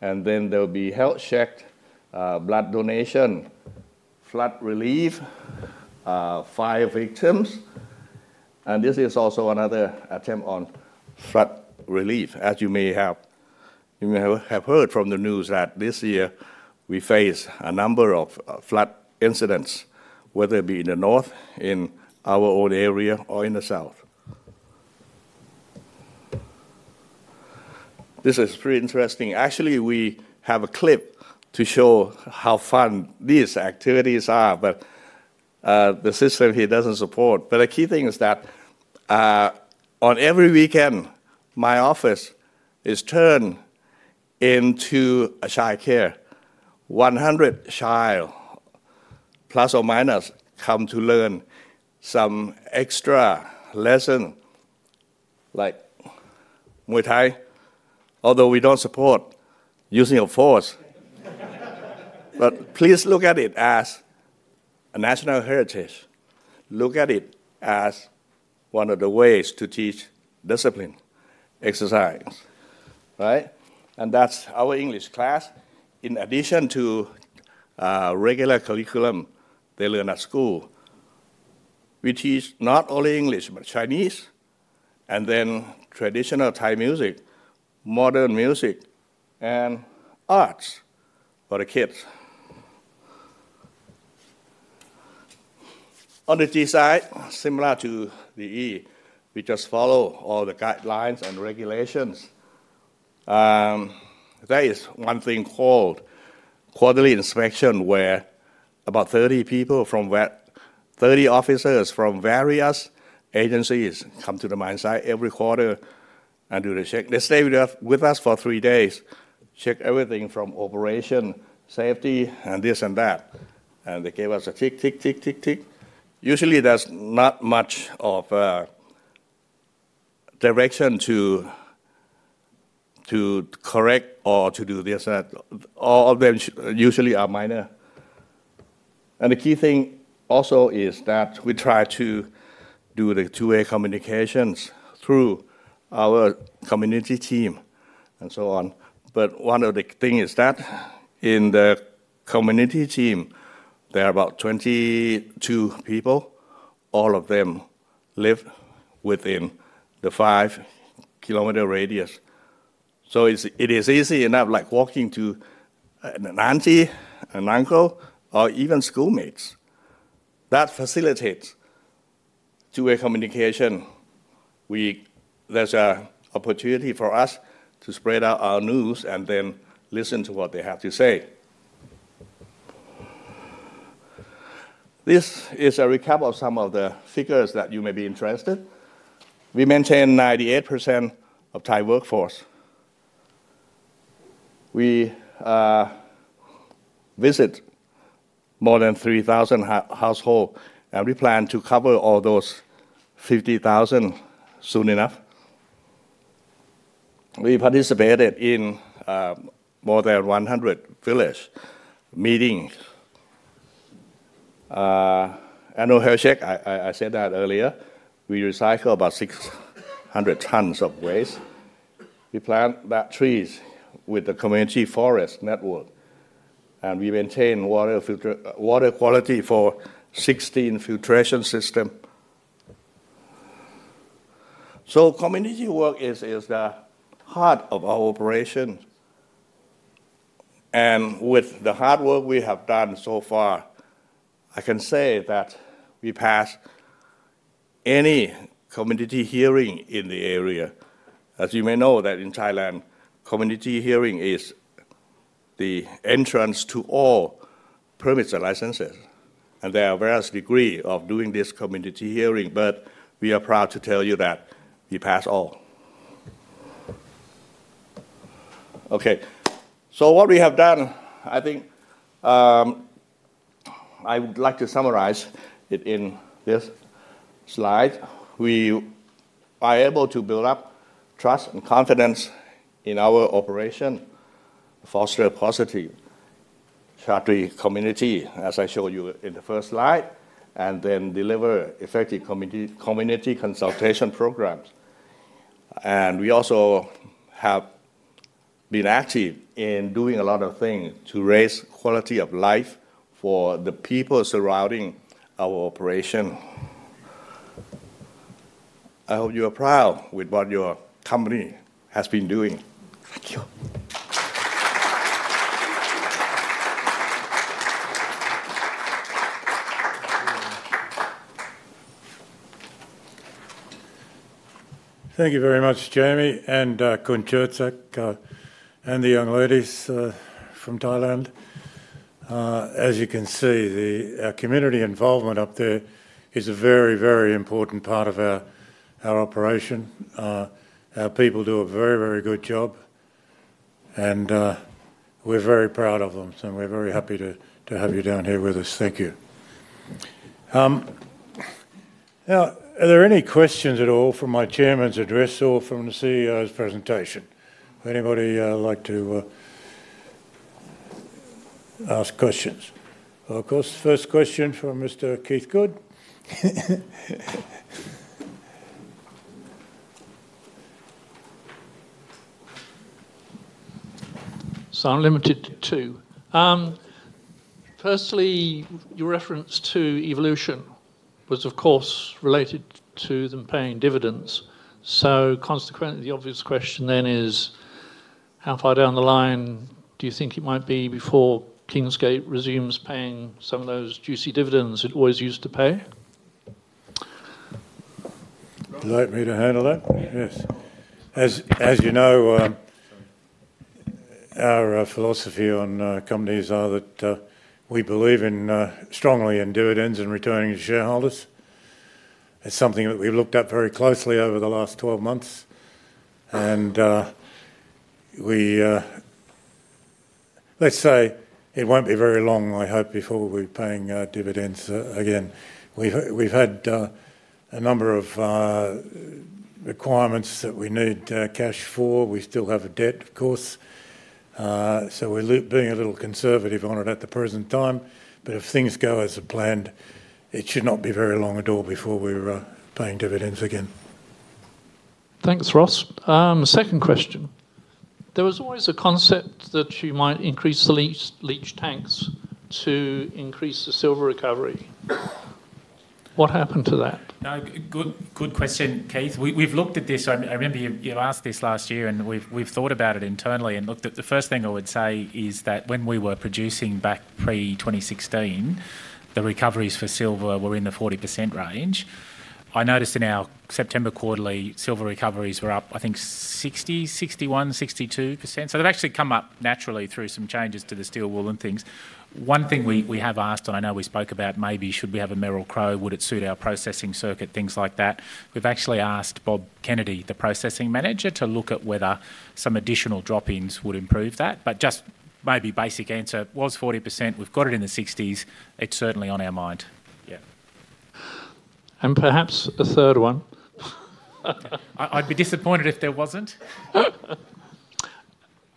There will be health check, blood donation, flood relief, fire victims. This is also another attempt on flood relief, as you may have heard from the news that this year we faced a number of flood incidents, whether it be in the North, in our own area, or in the South. This is pretty interesting. Actually, we have a clip to show how fun these activities are, but the system here does not support. The key thing is that on every weekend, my office is turned into a childcare. One hundred childs, plus or minus, come to learn some extra lesson, like Muay Thai, although we do not support using of force. Please look at it as a national heritage. Look at it as one of the ways to teach discipline, exercise. That is our English class. In addition to regular curriculum they learn at school, we teach not only English but Chinese, and then traditional Thai music, modern music, and arts for the kids. On the G side, similar to the E, we just follow all the guidelines and regulations. There is one thing called quarterly inspection where about 30 people from 30 officers from various agencies come to the mine site every quarter and do the check. They stay with us for three days, check everything from operation, safety, and this and that. They give us a tick, tick, tick, tick, tick. Usually, there is not much of direction to correct or to do this. All of them usually are minor. The key thing also is that we try to do the two-way communications through our community team and so on. One of the things is that in the community team, there are about 22 people. All of them live within the five-kilometer radius. It is easy enough, like walking to an auntie, an uncle, or even schoolmates. That facilitates two-way communication. There's an opportunity for us to spread out our news and then listen to what they have to say. This is a recap of some of the figures that you may be interested in. We maintain 98% of Thai workforce. We visit more than 3,000 households, and we plan to cover all those 50,000 soon enough. We participated in more than 100 village meetings. Annual health check, I said that earlier. We recycle about 600 tons of waste. We plant trees with the community forest network, and we maintain water quality for 16 filtration systems. Community work is the heart of our operation. With the hard work we have done so far, I can say that we passed any community hearing in the area. As you may know, in Thailand, community hearing is the entrance to all permits and licenses. There are various degrees of doing this community hearing, but we are proud to tell you that we passed all. Okay. What we have done, I think I would like to summarize it in this slide. We are able to build up trust and confidence in our operation, foster a positive Chatree community, as I showed you in the first slide, and deliver effective community consultation programs. We also have been active in doing a lot of things to raise quality of life for the people surrounding our operation. I hope you are proud with what your company has been doing. Thank you. Thank you very much, Jamie and Khun Cherdsak and the young ladies from Thailand. As you can see, our community involvement up there is a very, very important part of our operation. Our people do a very, very good job, and we're very proud of them. We are very happy to have you down here with us. Thank you. Now, are there any questions at all from my Chairman's address or from the CEO's presentation? Would anybody like to ask questions? Of course, first question from Mr. [Keith Goode]. I am limited to two. Firstly, your reference to Evolution was, of course, related to them paying dividends. Consequently, the obvious question then is, how far down the line do you think it might be before Kingsgate resumes paying some of those juicy dividends it always used to pay? Would you like me to handle that? Yes. As you know, our philosophy on companies is that we believe strongly in dividends and returning to shareholders. It's something that we've looked at very closely over the last 12 months. I hope it won't be very long before we're paying dividends again. We've had a number of requirements that we need cash for. We still have a debt, of course. We are being a little conservative on it at the present time. If things go as planned, it should not be very long at all before we're paying dividends again. Thanks, Ross. Second question. There was always a concept that you might increase the leach tanks to increase the silver recovery. What happened to that? Good question, Keith. We've looked at this. I remember you asked this last year, and we've thought about it internally and looked at the first thing I would say is that when we were producing back pre-2016, the recoveries for silver were in the 40% range. I noticed in our September quarterly, silver recoveries were up, I think, 60%-62%. They've actually come up naturally through some changes to the steel wool and things. One thing we have asked, and I know we spoke about maybe should we have a Merrill Crowe, would it suit our processing circuit, things like that. We've actually asked Bob Kennedy, the Processing Manager, to look at whether some additional drop-ins would improve that. Just maybe basic answer was 40%. We've got it in the 60s. It's certainly on our mind. Yeah. Perhaps a third one. I'd be disappointed if there wasn't.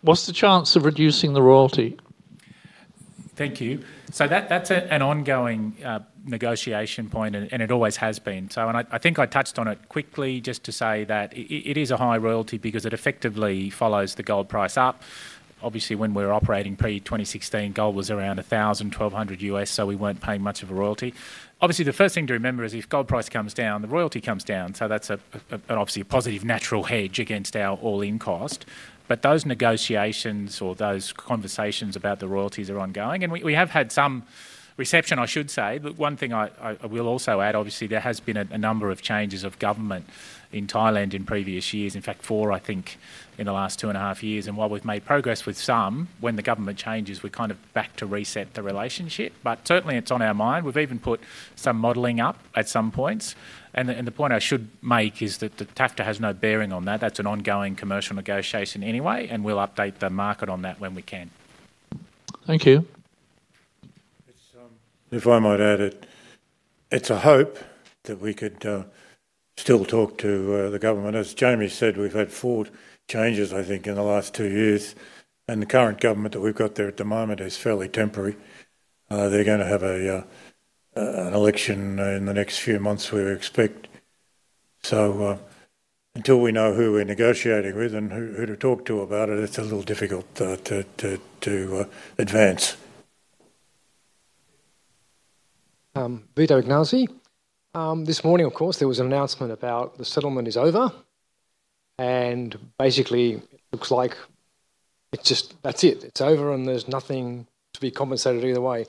What's the chance of reducing the royalty? Thank you. That's an ongoing negotiation point, and it always has been. I think I touched on it quickly just to say that it is a high royalty because it effectively follows the gold price up. Obviously, when we were operating pre-2016, gold was around $1,000-$1,200, so we were not paying much of a royalty. The first thing to remember is if gold price comes down, the royalty comes down. That's a positive natural hedge against our all-in cost. Those negotiations or those conversations about the royalties are ongoing. We have had some reception, I should say. One thing I will also add, obviously, there has been a number of changes of government in Thailand in previous years, in fact, four, I think, in the last two and a half years. While we've made progress with some when the government changes, we're kind of back to reset the relationship. Certainly, it's on our mind. We've even put some modeling up at some points. The point I should make is that the TAFTA has no bearing on that. That's an ongoing commercial negotiation anyway, and we'll update the market on that when we can. Thank you. If I might add, it's a hope that we could still talk to the government. As Jamie said, we've had four changes, I think, in the last two years. The current government that we've got there at the moment is fairly temporary. They're going to have an election in the next few months, we expect. Until we know who we're negotiating with and who to talk to about it, it's a little difficult to advance. [Vito Ignazzi]. This morning, of course, there was an announcement about the settlement is over. Basically, it looks like it's just that's it. It's over, and there's nothing to be compensated either way.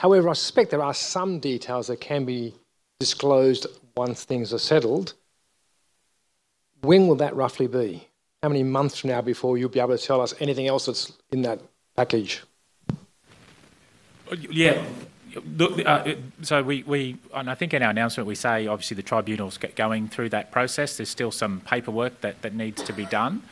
However, I suspect there are some details that can be disclosed once things are settled. When will that roughly be? How many months from now before you'll be able to tell us anything else that's in that package? Yeah. I think in our announcement, we say, obviously, the tribunal's going through that process. There's still some paperwork that needs to be done.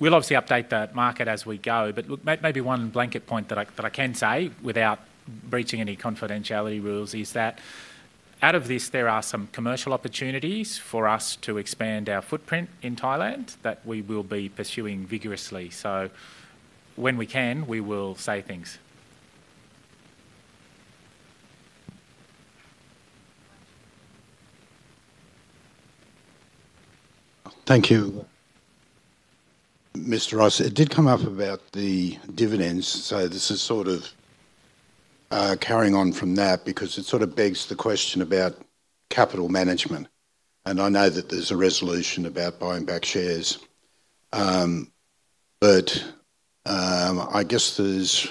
We'll obviously update the market as we go. Maybe one blanket point that I can say without breaching any confidentiality rules is that out of this, there are some commercial opportunities for us to expand our footprint in Thailand that we will be pursuing vigorously. When we can, we will say things. Thank you. Mr. Ross, it did come up about the dividends. This is sort of carrying on from that because it sort of begs the question about capital management. I know that there's a resolution about buying back shares. I guess there's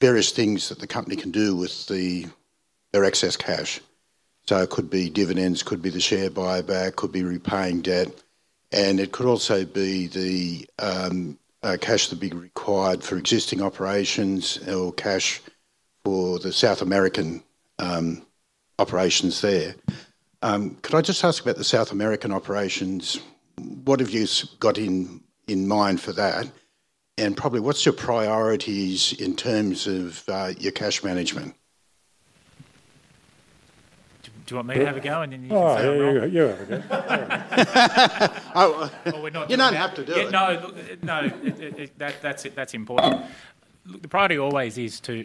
various things that the company can do with their excess cash. It could be dividends, could be the share buyback, could be repaying debt. It could also be the cash that'd be required for existing operations or cash for the South American operations there. Could I just ask about the South American operations? What have you got in mind for that? Probably what's your priorities in terms of your cash management? Do you want me to have a go and then you say, "Oh, you have a go." You're not going to have to do it. No, no. That's important. The priority always is to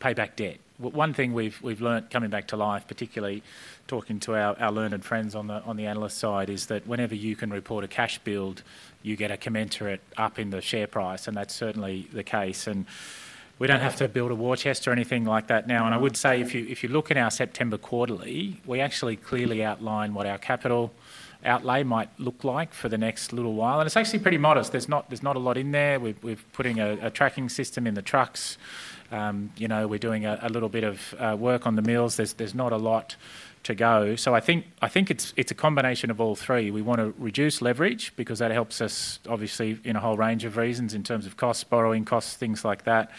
pay back debt. One thing we've learned coming back to life, particularly talking to our learned friends on the analyst side, is that whenever you can report a cash build, you get a commensurate up in the share price. That is certainly the case. We do not have to build a war chest or anything like that now. I would say if you look in our September quarterly, we actually clearly outline what our capital outlay might look like for the next little while. It is actually pretty modest. There is not a lot in there. We are putting a tracking system in the trucks. We are doing a little bit of work on the mills. There is not a lot to go. I think it is a combination of all three. We want to reduce leverage because that helps us, obviously, in a whole range of reasons in terms of costs, borrowing costs, things like that.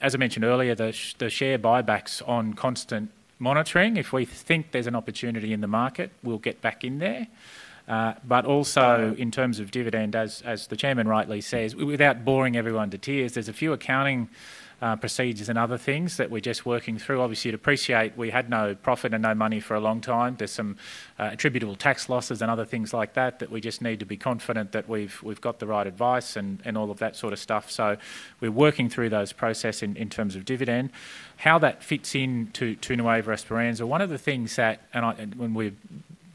As I mentioned earlier, the share buybacks are on constant monitoring. If we think there's an opportunity in the market, we'll get back in there. Also, in terms of dividend, as the Chairman rightly says, without boring everyone to tears, there are a few accounting procedures and other things that we're just working through. Obviously, appreciate we had no profit and no money for a long time. There are some attributable tax losses and other things like that that we just need to be confident that we've got the right advice and all of that sort of stuff. We are working through those processes in terms of dividend. How that fits into Nueva Esperanza, one of the things that, and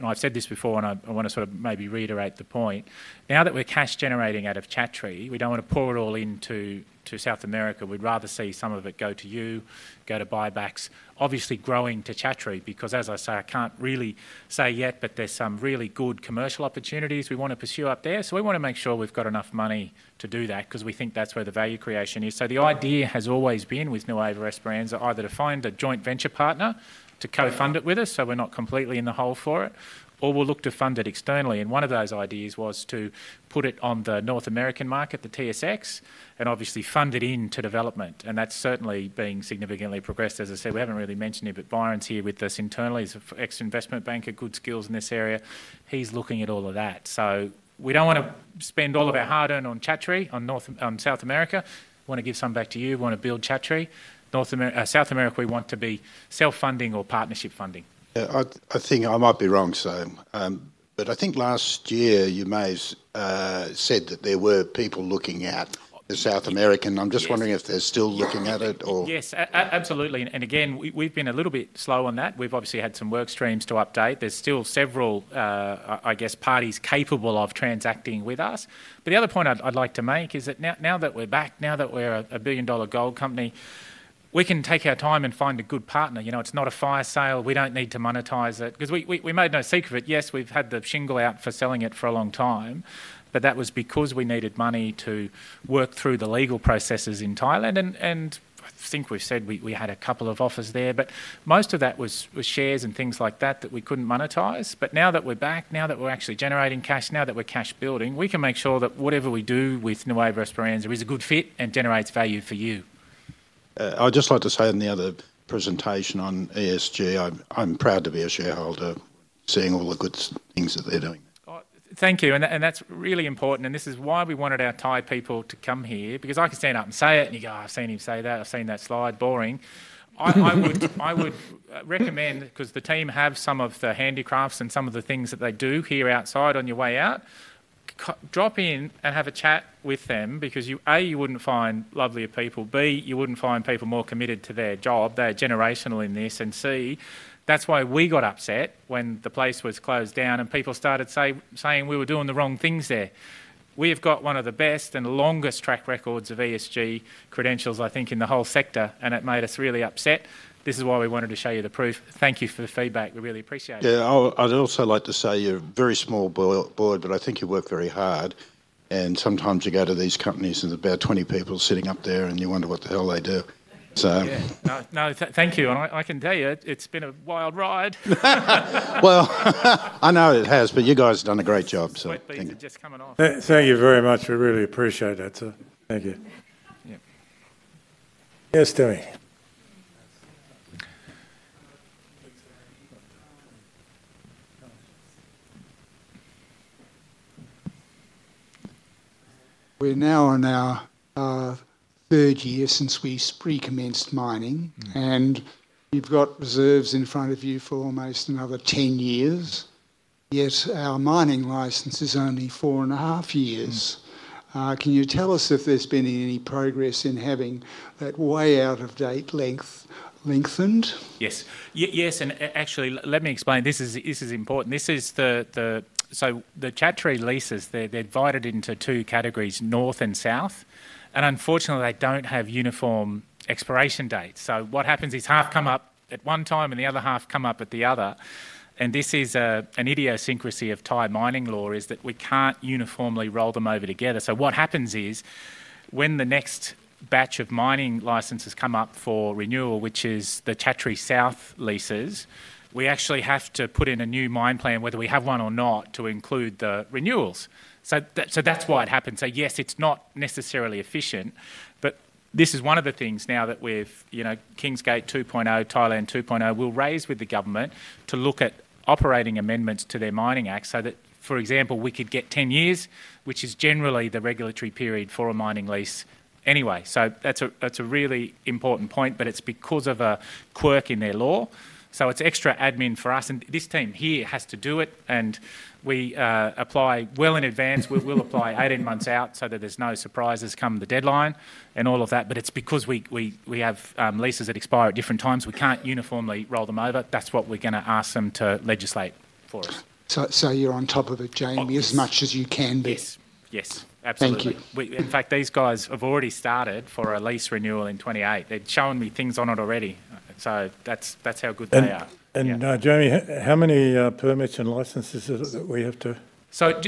I've said this before, and I want to sort of maybe reiterate the point, now that we're cash generating out of Chatree, we don't want to pour it all into South America. We'd rather see some of it go to you, go to buybacks, obviously growing to Chatree because, as I say, I can't really say yet, but there's some really good commercial opportunities we want to pursue up there. We want to make sure we've got enough money to do that because we think that's where the value creation is. The idea has always been with Nueva Esperanza either to find a joint venture partner to co-fund it with us so we're not completely in the hole for it, or we'll look to fund it externally. One of those ideas was to put it on the North American market, the TSX, and obviously fund it into development. That is certainly being significantly progressed. As I said, we have not really mentioned it, but Byron is here with us internally as an investment banker, good skills in this area. He is looking at all of that. We do not want to spend all of our hard earn on Chatree on South America. We want to give some back to you. We want to build Chatree. South America, we want to be self-funding or partnership funding. I think I might be wrong, Sam. I think last year you may have said that there were people looking at the South American. I am just wondering if they are still looking at it or. Yes, absolutely. Again, we have been a little bit slow on that. We've obviously had some work streams to update. There's still several, I guess, parties capable of transacting with us. The other point I'd like to make is that now that we're back, now that we're a billion-dollar gold company, we can take our time and find a good partner. It's not a fire sale. We don't need to monetize it. Because we made no secret, yes, we've had the shingle out for selling it for a long time, that was because we needed money to work through the legal processes in Thailand. I think we've said we had a couple of offers there, but most of that was shares and things like that that we couldn't monetize. Now that we're back, now that we're actually generating cash, now that we're cash building, we can make sure that whatever we do with Nueva Esperanza is a good fit and generates value for you. I'd just like to say in the other presentation on ESG, I'm proud to be a shareholder seeing all the good things that they're doing. Thank you. That is really important. This is why we wanted our Thai people to come here because I can stand up and say it and you go, "I've seen him say that. I've seen that slide. Boring. I would recommend, because the team have some of the handicrafts and some of the things that they do here outside on your way out, drop in and have a chat with them because A, you wouldn't find lovelier people, B, you wouldn't find people more committed to their job, they're generational in this, and C, that's why we got upset when the place was closed down and people started saying we were doing the wrong things there. We have got one of the best and longest track records of ESG credentials, I think, in the whole sector, and it made us really upset. This is why we wanted to show you the proof. Thank you for the feedback. We really appreciate it. Yeah. I'd also like to say you're a very small board, but I think you work very hard. Sometimes you go to these companies and there's about 20 people sitting up there and you wonder what the hell they do. Yeah. No, thank you. I can tell you it's been a wild ride. I know it has, but you guys have done a great job, so thank you. Thank you very much. We really appreciate it. Thank you. Yes, Timmy. We're now on our third year since we pre-commenced mining. You've got reserves in front of you for almost another 10 years, yet our mining license is only four and a half years. Can you tell us if there's been any progress in having that way out of date lengthened? Yes. Yes. Actually, let me explain. This is important. The Chatree leases are divided into two categories, North and South. Unfortunately, they don't have uniform expiration dates. What happens is half come up at one time and the other half come up at the other. This is an idiosyncrasy of Thai mining law in that we can't uniformly roll them over together. What happens is when the next batch of mining licenses come up for renewal, which is the Chatree South leases, we actually have to put in a new mine plan, whether we have one or not, to include the renewals. That's why it happens. Yes, it's not necessarily efficient, but this is one of the things now that with Kingsgate 2.0, Thailand 2.0, we'll raise with the government to look at operating amendments to their mining act so that, for example, we could get 10 years, which is generally the regulatory period for a mining lease anyway. That's a really important point, but it's because of a quirk in their law. It's extra admin for us. This team here has to do it. We apply well in advance. We'll apply 18 months out so that there's no surprises come the deadline and all of that. It's because we have leases that expire at different times. We can't uniformly roll them over. That's what we're going to ask them to legislate for us. You're on top of it, Jamie, as much as you can be. Yes. Yes. Absolutely. Thank you. In fact, these guys have already started for a lease renewal in 2028. They've shown me things on it already. That's how good they are. Jamie, how many permits and licenses do we have too?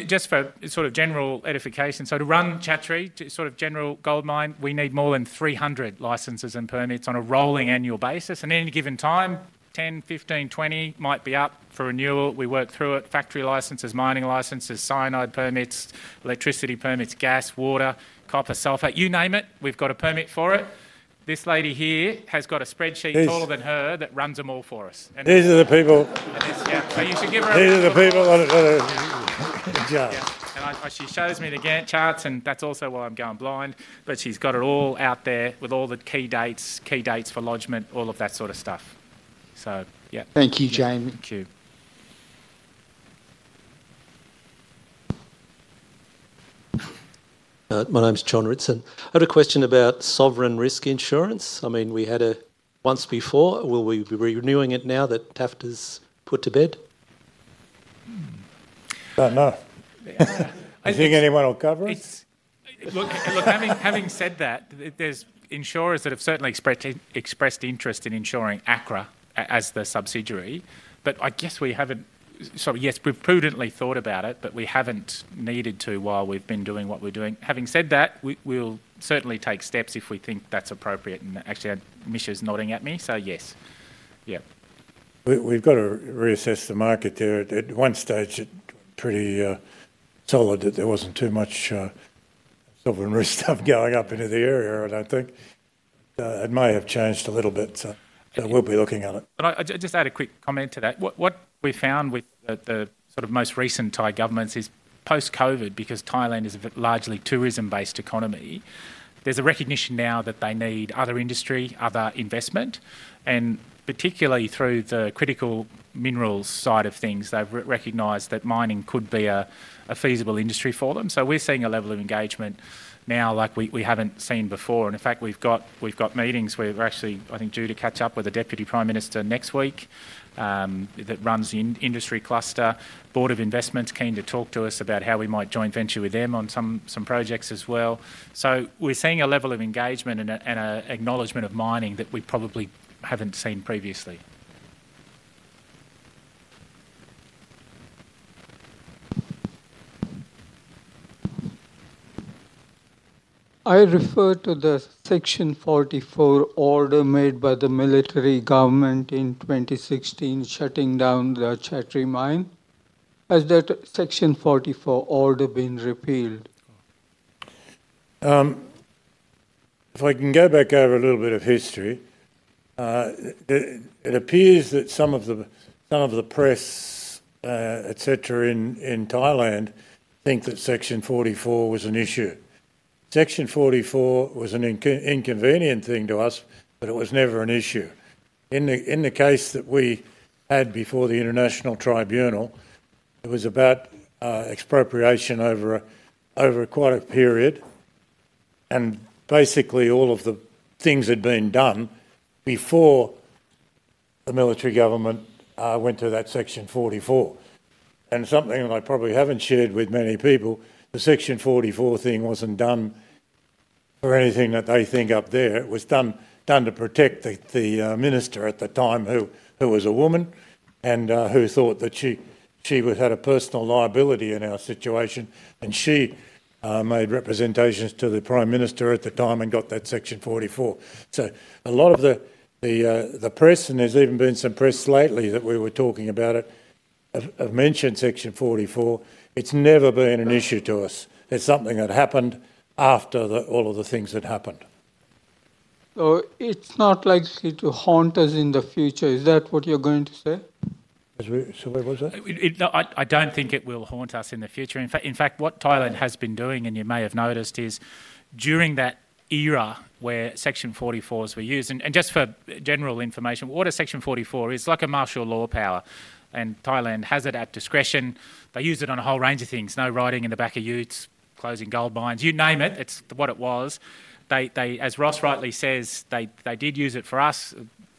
Just for sort of general edification, to run Chatree, sort of general gold mine, we need more than 300 licenses and permits on a rolling annual basis. At any given time, 10, 15, 20 might be up for renewal. We work through it. Factory licenses, mining licenses, cyanide permits, electricity permits, gas, water, copper, sulfur, you name it, we've got a permit for it. This lady here has got a spreadsheet taller than her that runs them all for us. These are the people. Yeah. You should give her a go. These are the people that are going to. Yeah. She shows me the Gantt charts, and that's also why I'm going blind. She's got it all out there with all the key dates, key dates for lodgement, all of that sort of stuff. Thank you, Jamie. Thank you. My name's [John Ritson]. I had a question about sovereign risk insurance. I mean, we had it once before. Will we be renewing it now that TAFTA's put to bed? I don't know. Do you think anyone will cover it? Look, having said that, there are insurers that have certainly expressed interest in insuring Akara as the subsidiary. I guess we have prudently thought about it, but we have not needed to while we have been doing what we are doing. Having said that, we will certainly take steps if we think that is appropriate. Actually, Mischa's nodding at me. Yes. We have to reassess the market there. At one stage, it was pretty solid that there was not too much sovereign risk stuff going up into the area, I do not think. It may have changed a little bit. We will be looking at it. I'll just add a quick comment to that. What we found with the sort of most recent Thai governments is post-COVID, because Thailand is a largely tourism-based economy, there's a recognition now that they need other industry, other investment. Particularly through the critical minerals side of things, they've recognized that mining could be a feasible industry for them. We're seeing a level of engagement now like we haven't seen before. In fact, we've got meetings. We're actually, I think, due to catch up with the Deputy Prime Minister next week that runs the industry cluster. Board of Investment's keen to talk to us about how we might joint venture with them on some projects as well. We're seeing a level of engagement and an acknowledgment of mining that we probably haven't seen previously. I refer to the Section 44 order made by the military government in 2016 shutting down the Chatree mine. Has that Section 44 order been repealed? If I can go back over a little bit of history, it appears that some of the press, etc., in Thailand think that Section 44 was an issue. Section 44 was an inconvenient thing to us, but it was never an issue. In the case that we had before the International Tribunal, it was about expropriation over quite a period. Basically, all of the things had been done before the military government went to that Section 44. Something that I probably haven't shared with many people, the Section 44 thing wasn't done for anything that they think up there. It was done to protect the minister at the time, who was a woman and who thought that she had a personal liability in our situation. She made representations to the Prime Minister at the time and got that Section 44. A lot of the press, and there's even been some press lately that we were talking about it, have mentioned Section 44. It's never been an issue to us. It's something that happened after all of the things that happened. It's not likely to haunt us in the future. Is that what you're going to say? Sorry, what was that? I don't think it will haunt us in the future. In fact, what Thailand has been doing, and you may have noticed, is during that era where Section 44s were used, and just for general information, what a Section 44 is, it's like a martial law power. Thailand has it at discretion. They use it on a whole range of things. No riding in the back of utes, closing gold mines, you name it. It's what it was. As Ross rightly says, they did use it for us,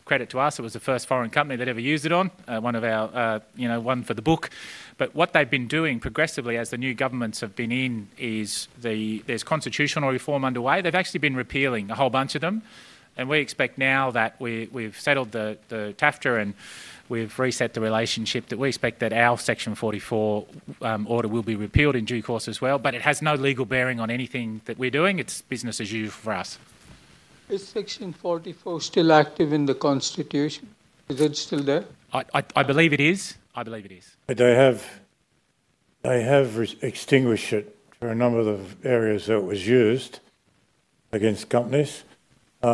credit to us. It was the first foreign company they'd ever used it on, one for the book. What they've been doing progressively as the new governments have been in is there's constitutional reform underway. They've actually been repealing a whole bunch of them. We expect now that we have settled the TAFTA and we have reset the relationship, that we expect that our Section 44 order will be repealed in due course as well. It has no legal bearing on anything that we are doing. It is business as usual for us. Is Section 44 still active in the constitution? Is it still there? I believe it is. I believe it is. They have extinguished it for a number of areas that it was used against companies. They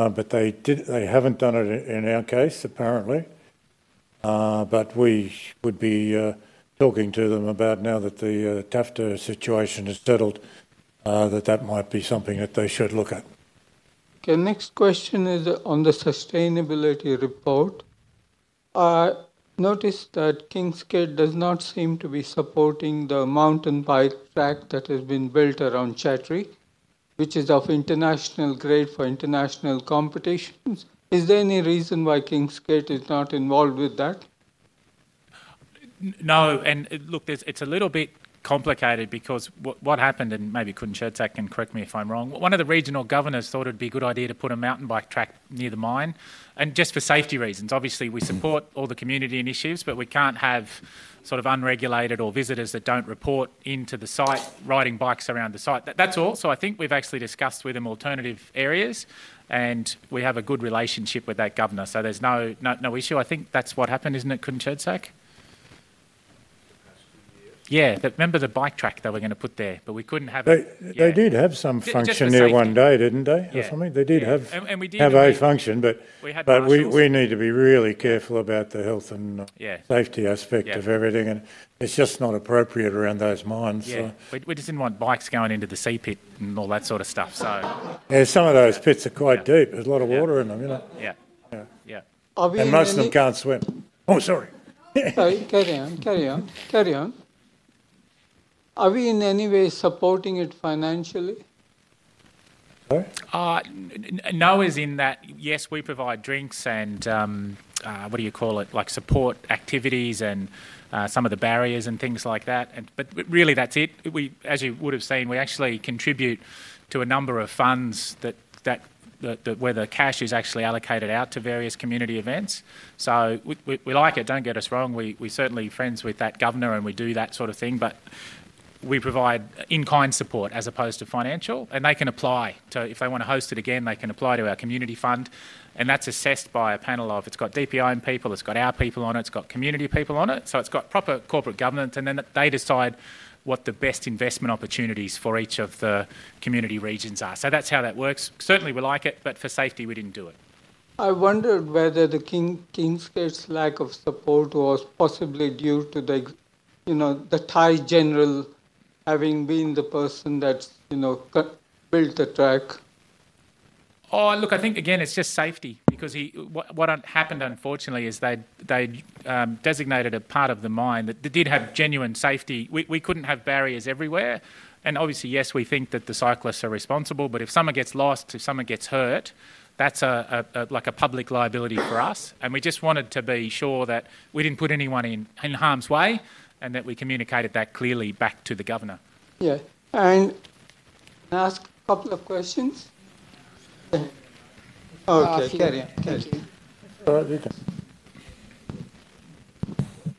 have not done it in our case, apparently. We would be talking to them about now that the TAFTA situation is settled, that that might be something that they should look at. Okay. Next question is on the sustainability report. I noticed that Kingsgate does not seem to be supporting the mountain bike track that has been built around Chatree, which is of international grade for international competitions. Is there any reason why Kingsgate is not involved with that? No. Look, it's a little bit complicated because what happened, and maybe Khun Cherdsak can correct me if I'm wrong, one of the regional governors thought it'd be a good idea to put a mountain bike track near the mine. Just for safety reasons, obviously, we support all the community initiatives, but we can't have sort of unregulated or visitors that don't report into the site, riding bikes around the site. That's all. I think we've actually discussed with them alternative areas, and we have a good relationship with that governor. There's no issue. I think that's what happened, isn't it, Khun Cherdsak? Yeah. Remember the bike track that we're going to put there? We couldn't have it. They did have some function there one day, didn't they? They did have a function, but we need to be really careful about the health and safety aspect of everything. It is just not appropriate around those mines. Yeah. We just didn't want bikes going into the sea pit and all that sort of stuff. Yeah. Some of those pits are quite deep. There is a lot of water in them. Yeah. Most of them can't swim. Oh, sorry. Go down. Go down. Go down. Are we in any way supporting it financially? No is in that yes, we provide drinks and what do you call it, like support activities and some of the barriers and things like that. Really, that's it. As you would have seen, we actually contribute to a number of funds where the cash is actually allocated out to various community events. We like it. Don't get us wrong. We're certainly friends with that governor and we do that sort of thing. We provide in-kind support as opposed to financial. They can apply to, if they want to host it again, they can apply to our community fund. That is assessed by a panel of, it's got [DPIM people], it's got our people on it, it's got community people on it. It has proper corporate governance, and then they decide what the best investment opportunities for each of the community regions are. That is how that works. Certainly, we like it, but for safety, we didn't do it. I wondered whether Kingsgate's lack of support was possibly due to the Thai general having been the person that built the track. Look, I think again, it's just safety. Because what happened, unfortunately, is they designated a part of the mine that did have genuine safety. We could not have barriers everywhere. Obviously, yes, we think that the cyclists are responsible. If someone gets lost, if someone gets hurt, that's like a public liability for us. We just wanted to be sure that we did not put anyone in harm's way and that we communicated that clearly back to the governor. Yeah. Can I ask a couple of questions? Okay. Thank you.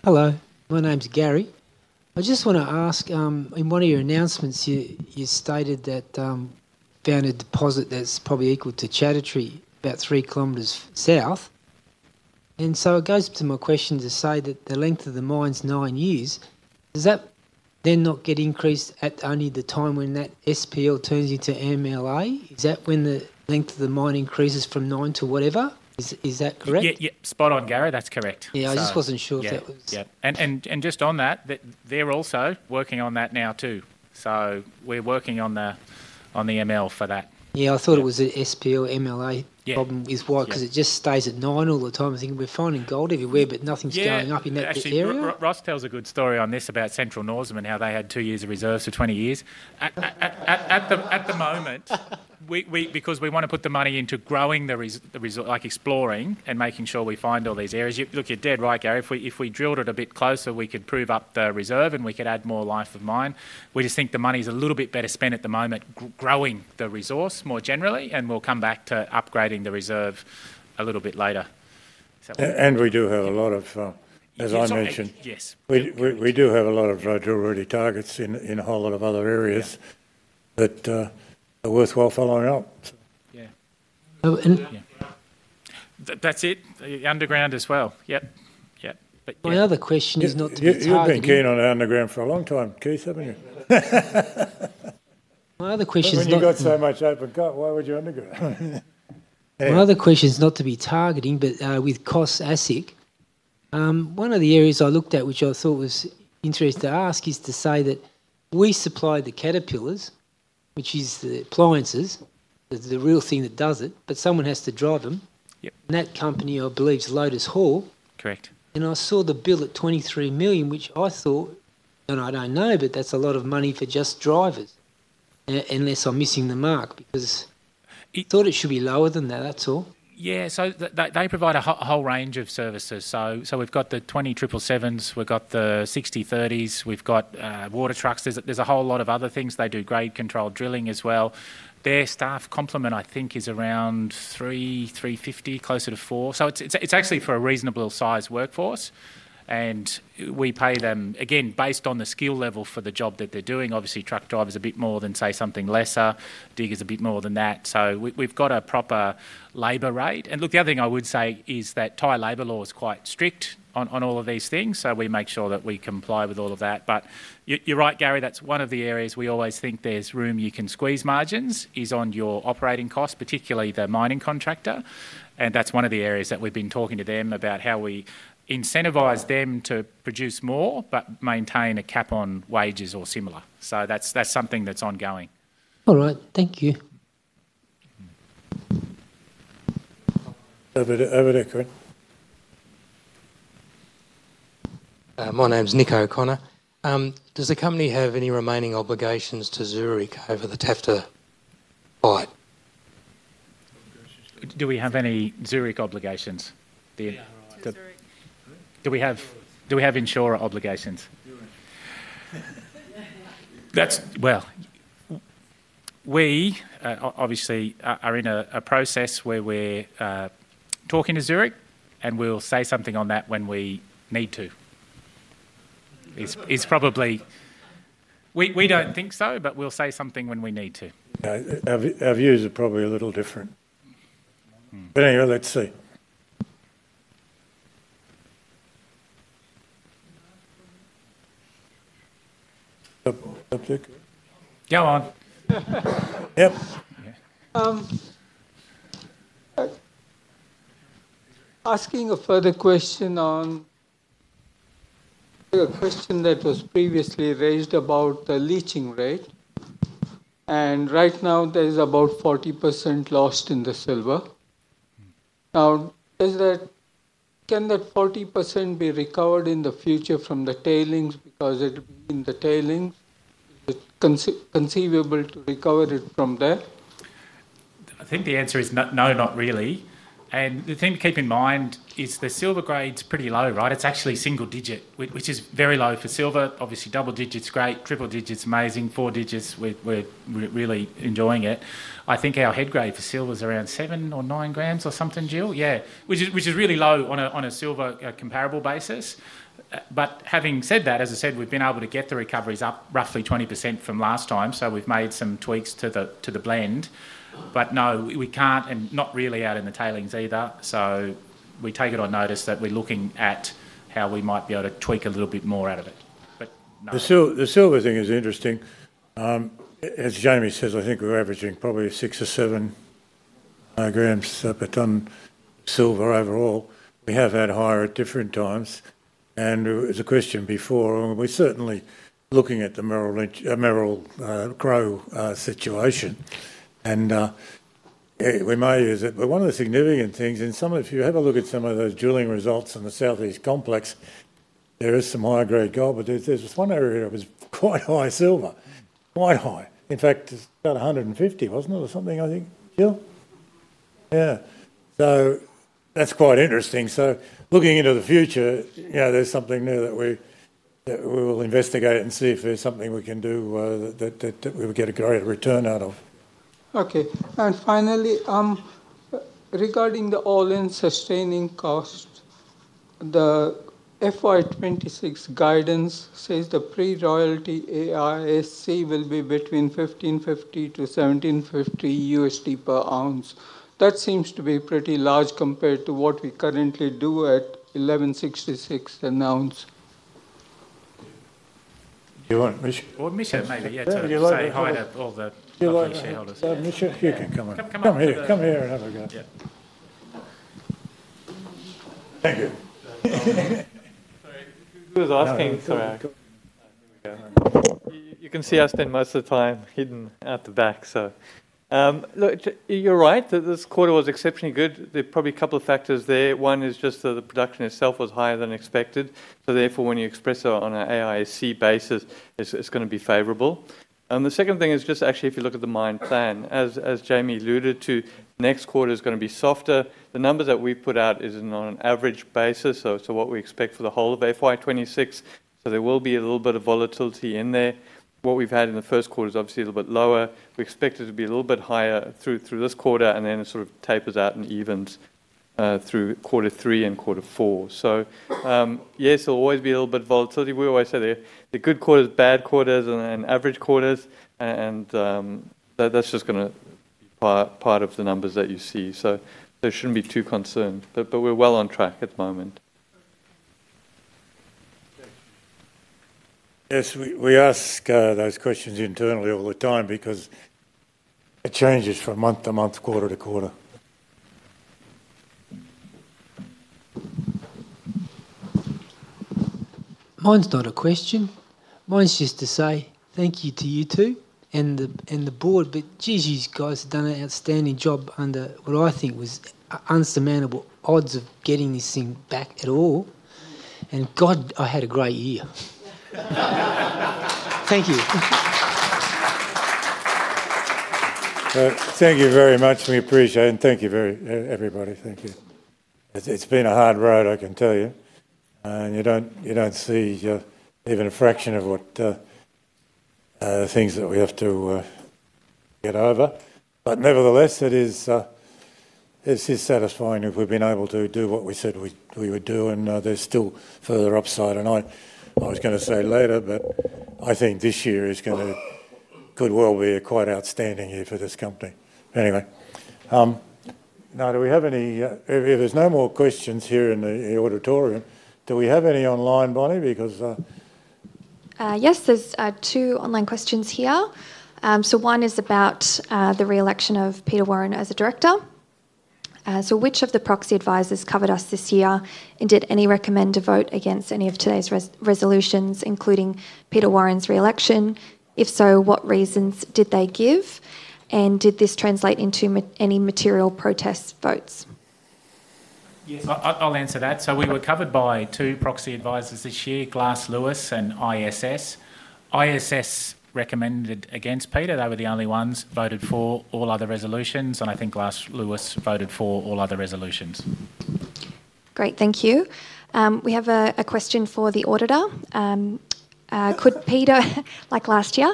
Hello. My name's [Gary]. I just want to ask, in one of your announcements, you stated that you found a deposit that's probably equal to Chatree about 3 km South. It goes to my question to say that the length of the mine's nine years, does that then not get increased at only the time when that SPL turns into MLA? Is that when the length of the mine increases from nine to whatever? Is that correct? Yeah. Spot on, [Gary]. That's correct. Yeah. I just wasn't sure if that was. Yeah. Just on that, they're also working on that now too. We're working on the ML for that. Yeah. I thought it was an SPL MLA problem is why. Because it just stays at nine all the time. I think we're finding gold everywhere, but nothing's going up in that area. Ross tells a good story on this about Central Norseman and how they had two years of reserves for 20 years. At the moment, because we want to put the money into growing the reserve, like exploring and making sure we find all these areas. Look, you're dead right, [Gary]. If we drilled it a bit closer, we could prove up the reserve and we could add more life of mine. We just think the money is a little bit better spent at the moment growing the resource more generally, and we will come back to upgrading the reserve a little bit later. We do have a lot of, as I mentioned. Yes. We do have a lot of drill-ready targets in a whole lot of other areas that are worthwhile following up. Yeah. That is it. The underground as well. Yep. Yep. My other question is not to be targeting. You have been keen on the underground for a long time, [Keith], have you not? My other question is not. You've got so much open cut, why would you undergo? My other question is not to be targeting, but with [Kos-ASX], one of the areas I looked at, which I thought was interesting to ask, is to say that we supply the Caterpillar, which is the appliances, the real thing that does it, but someone has to drive them. That company, I believe, is Lotus Hall. Correct. I saw the bill at 23 million, which I thought, and I don't know, but that's a lot of money for just drivers, unless I'm missing the mark. I thought it should be lower than that. That's all. They provide a whole range of services. We've got the 20777s, we've got the 6030s, we've got water trucks. There's a whole lot of other things. They do grade-controlled drilling as well. Their staff complement, I think, is around 3,350, closer to 4,000. It is actually for a reasonable size workforce. We pay them, again, based on the skill level for the job that they are doing. Obviously, truck drivers are a bit more than, say, something lesser. Diggers are a bit more than that. We have a proper labor rate. The other thing I would say is that Thai labor law is quite strict on all of these things. We make sure that we comply with all of that. You are right, Gary. That is one of the areas we always think there is room you can squeeze margins is on your operating costs, particularly the mining contractor. That is one of the areas that we have been talking to them about, how we incentivize them to produce more but maintain a cap on wages or similar. That's something that's ongoing. All right. Thank you. Over to. My name's [Nico O'Connor]. Does the company have any remaining obligations to Zurich over the TAFTA fight? Do we have any Zurich obligations? Do we have insurer obligations? We obviously are in a process where we're talking to Zurich, and we'll say something on that when we need to. It's probably we don't think so, but we'll say something when we need to. Our views are probably a little different. Anyway, let's see. Go on. Yep. Asking a further question on a question that was previously raised about the leaching rate. Right now, there's about 40% lost in the silver. Now, can that 40% be recovered in the future from the tailings because it'll be in the tailings? Is it conceivable to recover it from there? I think the answer is no, not really. The thing to keep in mind is the silver grade's pretty low, right? It's actually single digit, which is very low for silver. Obviously, double digit's great, triple digit's amazing, four digits, we're really enjoying it. I think our head grade for silver's around 7 grams or 9 grams or something, Jill? Yeah. Which is really low on a silver comparable basis. Having said that, as I said, we've been able to get the recoveries up roughly 20% from last time. We've made some tweaks to the blend. No, we can't, and not really out in the tailings either. We take it on notice that we're looking at how we might be able to tweak a little bit more out of it. No. The silver thing is interesting. As Jamie says, I think we're averaging probably 6 grams or 7 grams per ton silver overall. We have had higher at different times. It was a question before, and we're certainly looking at the Merrill Crowe situation. We may use it. One of the significant things, and if you have a look at some of those drilling results in the South-East Complex, there is some high-grade gold. There is this one area that was quite high silver. Quite high. In fact, it's about 150, wasn't it, or something, I think? Jill? Yeah. That's quite interesting. Looking into the future, there's something there that we will investigate and see if there's something we can do that we would get a greater return out of. Finally, regarding the all-in sustaining cost, the FY 2026 guidance says the pre-royalty AISC will be between $1,550-$1,750 per ounce. That seems to be pretty large compared to what we currently do at 1,166 an ounce. Do you want Michelle? Or Michelle maybe. Yeah. You're like the shareholders. Michelle, you can come on. Come here. Come here and have a go. Thank you. Sorry. Who was asking? Sorry. You can see us then most of the time hidden out the back, so. Look, you're right that this quarter was exceptionally good. There are probably a couple of factors there. One is just that the production itself was higher than expected. Therefore, when you express it on an AISC basis, it's going to be favorable. The second thing is just actually if you look at the mine plan, as Jamie alluded to, next quarter is going to be softer. The numbers that we've put out is on an average basis, so what we expect for the whole of FY 2026. There will be a little bit of volatility in there. What we've had in the first quarter is obviously a little bit lower. We expect it to be a little bit higher through this quarter, and then it sort of tapers out and evens through quarter three and quarter four. Yes, there'll always be a little bit of volatility. We always say there are good quarters, bad quarters, and average quarters. That's just going to be part of the numbers that you see. There shouldn't be too concerned. We're well on track at the moment. Yes. We ask those questions internally all the time because it changes from month to month, quarter to quarter. Mine's not a question. Mine's just to say thank you to you two and the board. Geez, you guys have done an outstanding job under what I think was unsurmountable odds of getting this thing back at all. God, I had a great year. Thank you. Thank you very much. We appreciate it. Thank you, everybody. Thank you. It's been a hard road, I can tell you. You don't see even a fraction of the things that we have to get over. Nevertheless, it is satisfying if we've been able to do what we said we would do. There's still further upside. I was going to say later, but I think this year could well be quite outstanding here for this company. Anyway. Now, if there's no more questions here in the auditorium, do we have any online, Bronwyn? Yes, there's two online questions here. One is about the reelection of Peter Warren as a director. Which of the proxy advisors covered us this year? Did any recommend a vote against any of today's resolutions, including Peter Warren's reelection? If so, what reasons did they give? Did this translate into any material protest votes? Yes. I'll answer that. We were covered by two proxy advisors this year, Glass Lewis and ISS. ISS recommended against Peter. They were the only ones. Voted for all other resolutions. I think Glass Lewis voted for all other resolutions. Great. Thank you. We have a question for the auditor. Like last year,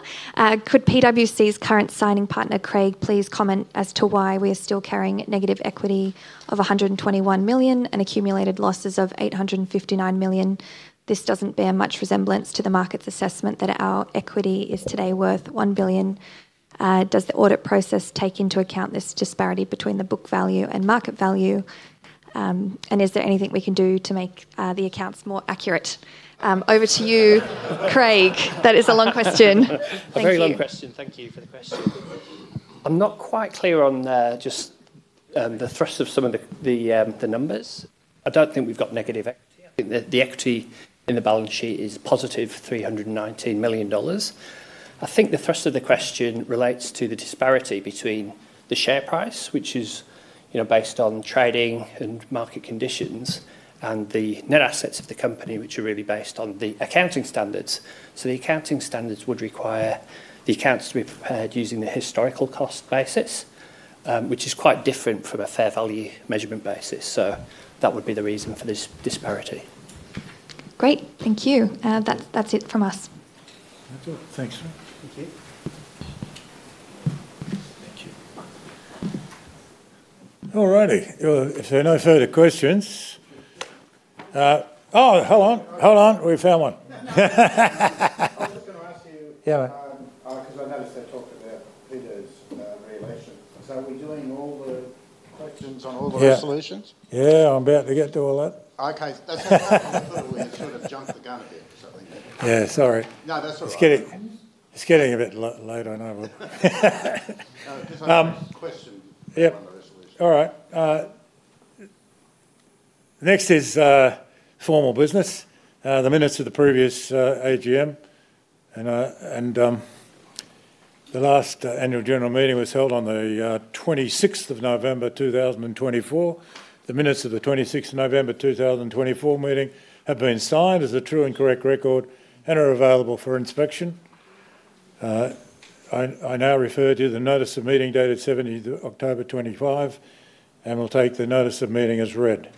could PwC's current signing partner, Craig, please comment as to why we are still carrying negative equity of 121 million and accumulated losses of 859 million? This doesn't bear much resemblance to the market's assessment that our equity is today worth 1 billion. Does the audit process take into account this disparity between the book value and market value? Is there anything we can do to make the accounts more accurate? Over to you, Craig. That is a long question. Thank you. Very long question. Thank you for the question. I'm not quite clear on just the thrust of some of the numbers. I don't think we've got negative equity. I think the equity in the balance sheet is positive, 319 million dollars. I think the thrust of the question relates to the disparity between the share price, which is based on trading and market conditions, and the net assets of the company, which are really based on the accounting standards. The accounting standards would require the accounts to be prepared using the historical cost basis, which is quite different from a fair value measurement basis. That would be the reason for this disparity. Great. Thank you. That's it from us. Thank you. All righty. If there are no further questions, oh, hold on. Hold on. We found one. I was just going to ask you because I noticed they're talking about Peter's reelection. Are we doing all the questions on all the resolutions? Yeah. I'm about to get to all that. That's all right. We sort of jumped the gun a bit, so. Yeah. Sorry. No, that's all right. It's getting a bit later, I know. Just a question on the resolution. All right. Next is formal business. The minutes of the previous AGM and the last annual general meeting was held on the 26th of November, 2024. The minutes of the 26th of November, 2024 meeting have been signed as a true and correct record and are available for inspection. I now refer to the notice of meeting dated October 25, and we'll take the notice of meeting as read.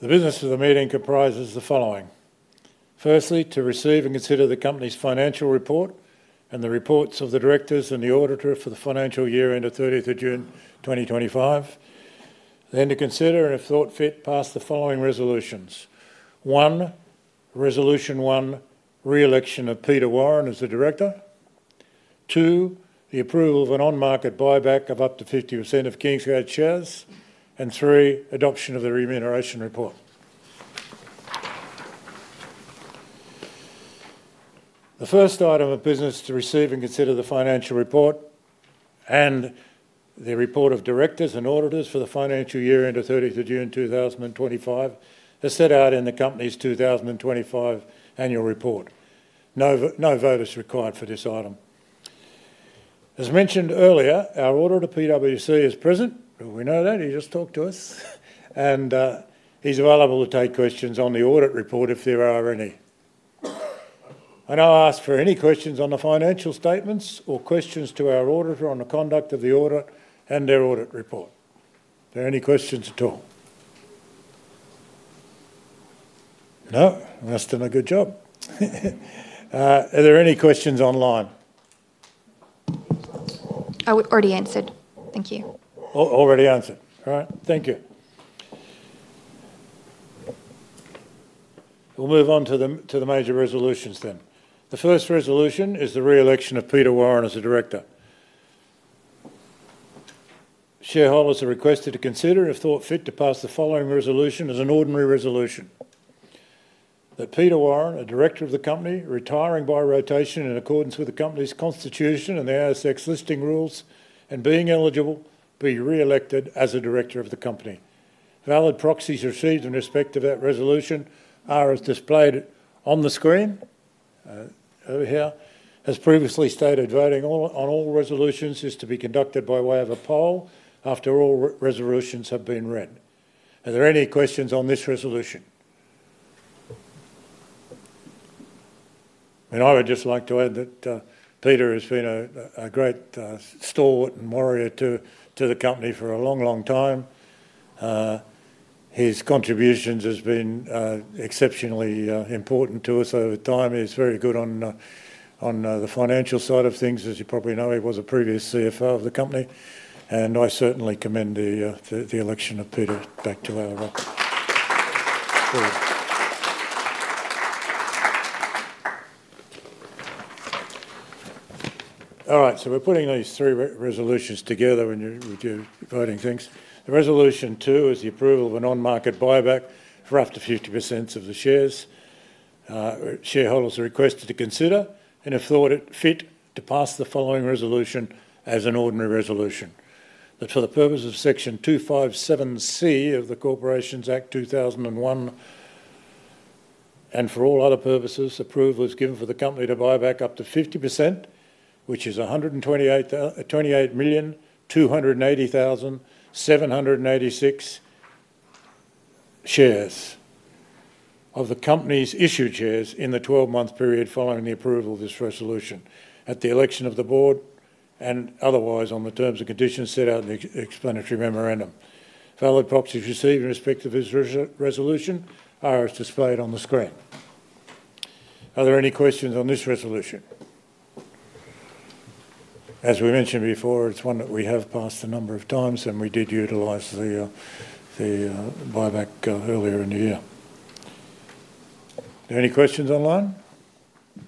The business of the meeting comprises the following: firstly, to receive and consider the company's financial report and the reports of the directors and the auditor for the financial year end of 30th of June, 2025. Then to consider and, if thought fit, pass the following resolutions. One, Resolution 1, reelection of Peter Warren as the director; two, the approval of an on-market buyback of up to 50% of Kingsgate shares; and three, adoption of the remuneration report. The first item of business to receive and consider the financial report and the report of directors and auditors for the financial year end of 30th of June, 2025, as set out in the company's 2025 annual report. No vote is required for this item. As mentioned earlier, our auditor, PwC, is present. We know that. He just talked to us. He is available to take questions on the audit report if there are any. I will ask for any questions on the financial statements or questions to our auditor on the conduct of the audit and their audit report. Are there any questions at all? No? That has done a good job. Are there any questions online? Already answered. Thank you. Already answered. All right. Thank you. We will move on to the major resolutions then. The first resolution is the reelection of Peter Warren as a director. Shareholders are requested to consider, if thought fit, to pass the following resolution as an ordinary resolution: that Peter Warren, a director of the company, retiring by rotation in accordance with the company's constitution and the ASX listing rules, and being eligible, be reelected as a director of the company. Valid proxies received in respect of that resolution are as displayed on the screen. As previously stated, voting on all resolutions is to be conducted by way of a poll after all resolutions have been read. Are there any questions on this resolution? I would just like to add that Peter has been a great stalwart and warrior to the company for a long, long time. His contributions have been exceptionally important to us over time. He's very good on the financial side of things, as you probably know. He was a previous CFO of the company. I certainly commend the election of Peter back to our record. All right. We are putting these three resolutions together when you are voting things. Resolution 2 is the approval of an on-market buyback for up to 50% of the shares. Shareholders are requested to consider and, if thought fit, to pass the following resolution as an ordinary resolution. That for the purpose of Section 257C of the Corporations Act 2001 and for all other purposes, approval is given for the company to buy back up to 50%, which is 128,280,786 shares of the company's issued shares in the 12-month period following the approval of this resolution at the election of the board and otherwise on the terms and conditions set out in the explanatory memorandum. Valid proxies received in respect of this resolution are as displayed on the screen. Are there any questions on this resolution? As we mentioned before, it's one that we have passed a number of times, and we did utilise the buyback earlier in the year. Any questions online?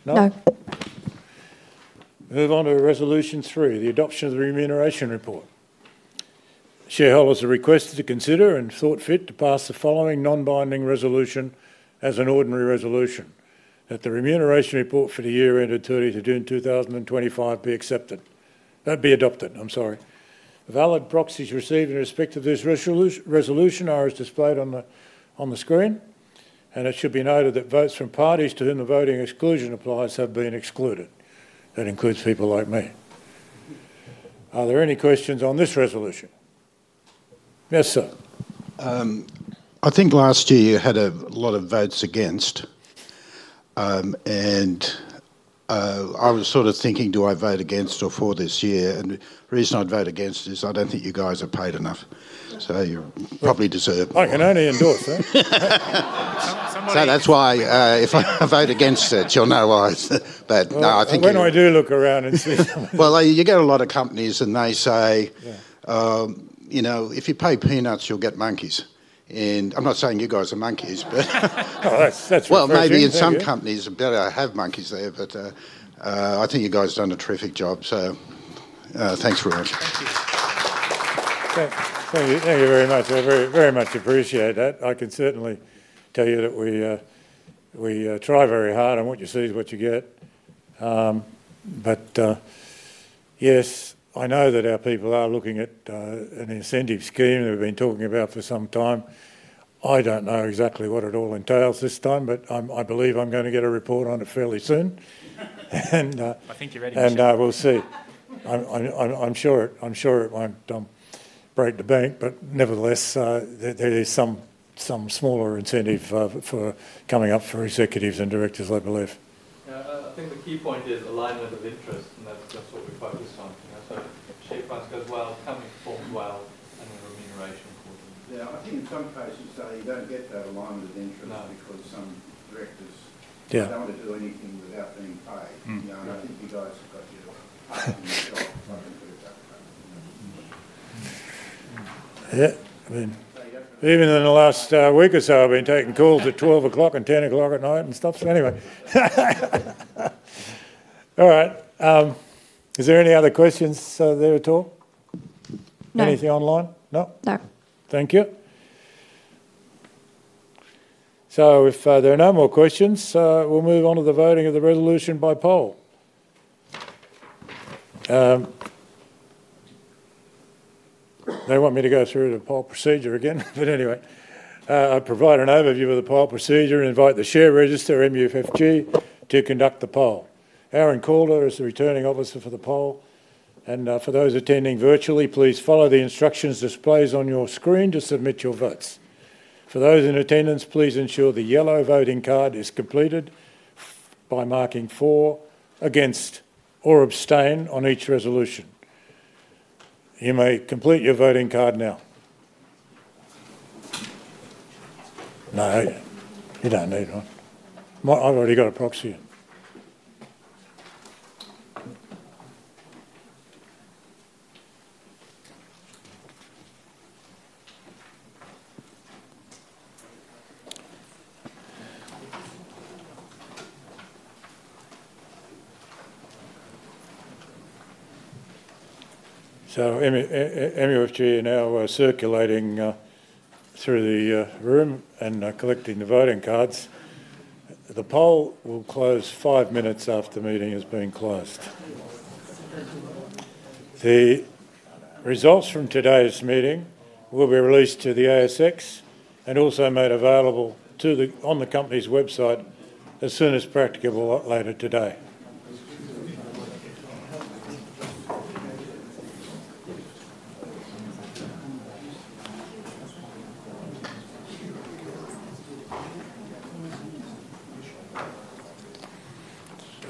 No? No. We'll move on to Resolution 3, the adoption of the remuneration report. Shareholders are requested to consider and, if thought fit, to pass the following non-binding resolution as an ordinary resolution: that the remuneration report for the year end of 30th of June, 2025, be accepted. That be adopted. I'm sorry. Valid proxies received in respect of this resolution are as displayed on the screen. It should be noted that votes from parties to whom the voting exclusion applies have been excluded. That includes people like me. Are there any questions on this resolution? Yes, sir. I think last year you had a lot of votes against. I was sort of thinking, do I vote against or for this year? The reason I'd vote against is I don't think you guys are paid enough. You probably deserve more. I can only endorse that. That's why if I vote against it, you'll know why. I think you'll know. When I do look around and see, you get a lot of companies, and they say, "If you pay peanuts, you'll get monkeys." I'm not saying you guys are monkeys, but maybe in some companies, better have monkeys there. I think you guys have done a terrific job, so thanks very much. Thank you. Thank you very much. I very much appreciate that. I can certainly tell you that we try very hard. What you see is what you get. Yes, I know that our people are looking at an incentive scheme that we've been talking about for some time. I don't know exactly what it all entails this time, but I believe I'm going to get a report on it fairly soon. I think you're ready. We'll see. I'm sure it won't break the bank. Nevertheless, there is some smaller incentive coming up for executives and directors, I believe. I think the key point is alignment of interest. That's what we focus on. Share price goes well, company performs well, and then remuneration accordingly. I think in some cases, you don't get that alignment of interest because some directors don't want to do anything without being paid. I think you guys have got your job. I mean, even in the last week or so, I've been taking calls at 12:00 and 10:00 at night and stuff. Anyway. All right. Is there any other questions there at all? No. Anything online? No? No. Thank you. If there are no more questions, we'll move on to the voting of the resolution by poll. They want me to go through the poll procedure again. Anyway, I provide an overview of the poll procedure and invite the share register, MUFG, to conduct the poll. [Aaron Carter] is the returning officer for the poll. For those attending virtually, please follow the instructions displayed on your screen to submit your votes. For those in attendance, please ensure the yellow voting card is completed by marking for, against, or abstain on each resolution. You may complete your voting card now. No. You don't need one. I've already got a proxy in. MUFG are now circulating through the room and collecting the voting cards. The poll will close five minutes after the meeting has been closed. The results from today's meeting will be released to the ASX and also made available on the company's website as soon as practicable later today.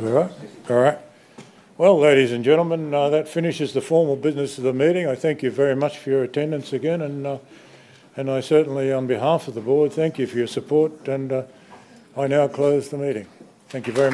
All right. All right. Ladies and gentlemen, that finishes the formal business of the meeting. I thank you very much for your attendance again. I certainly, on behalf of the board, thank you for your support. I now close the meeting. Thank you very much.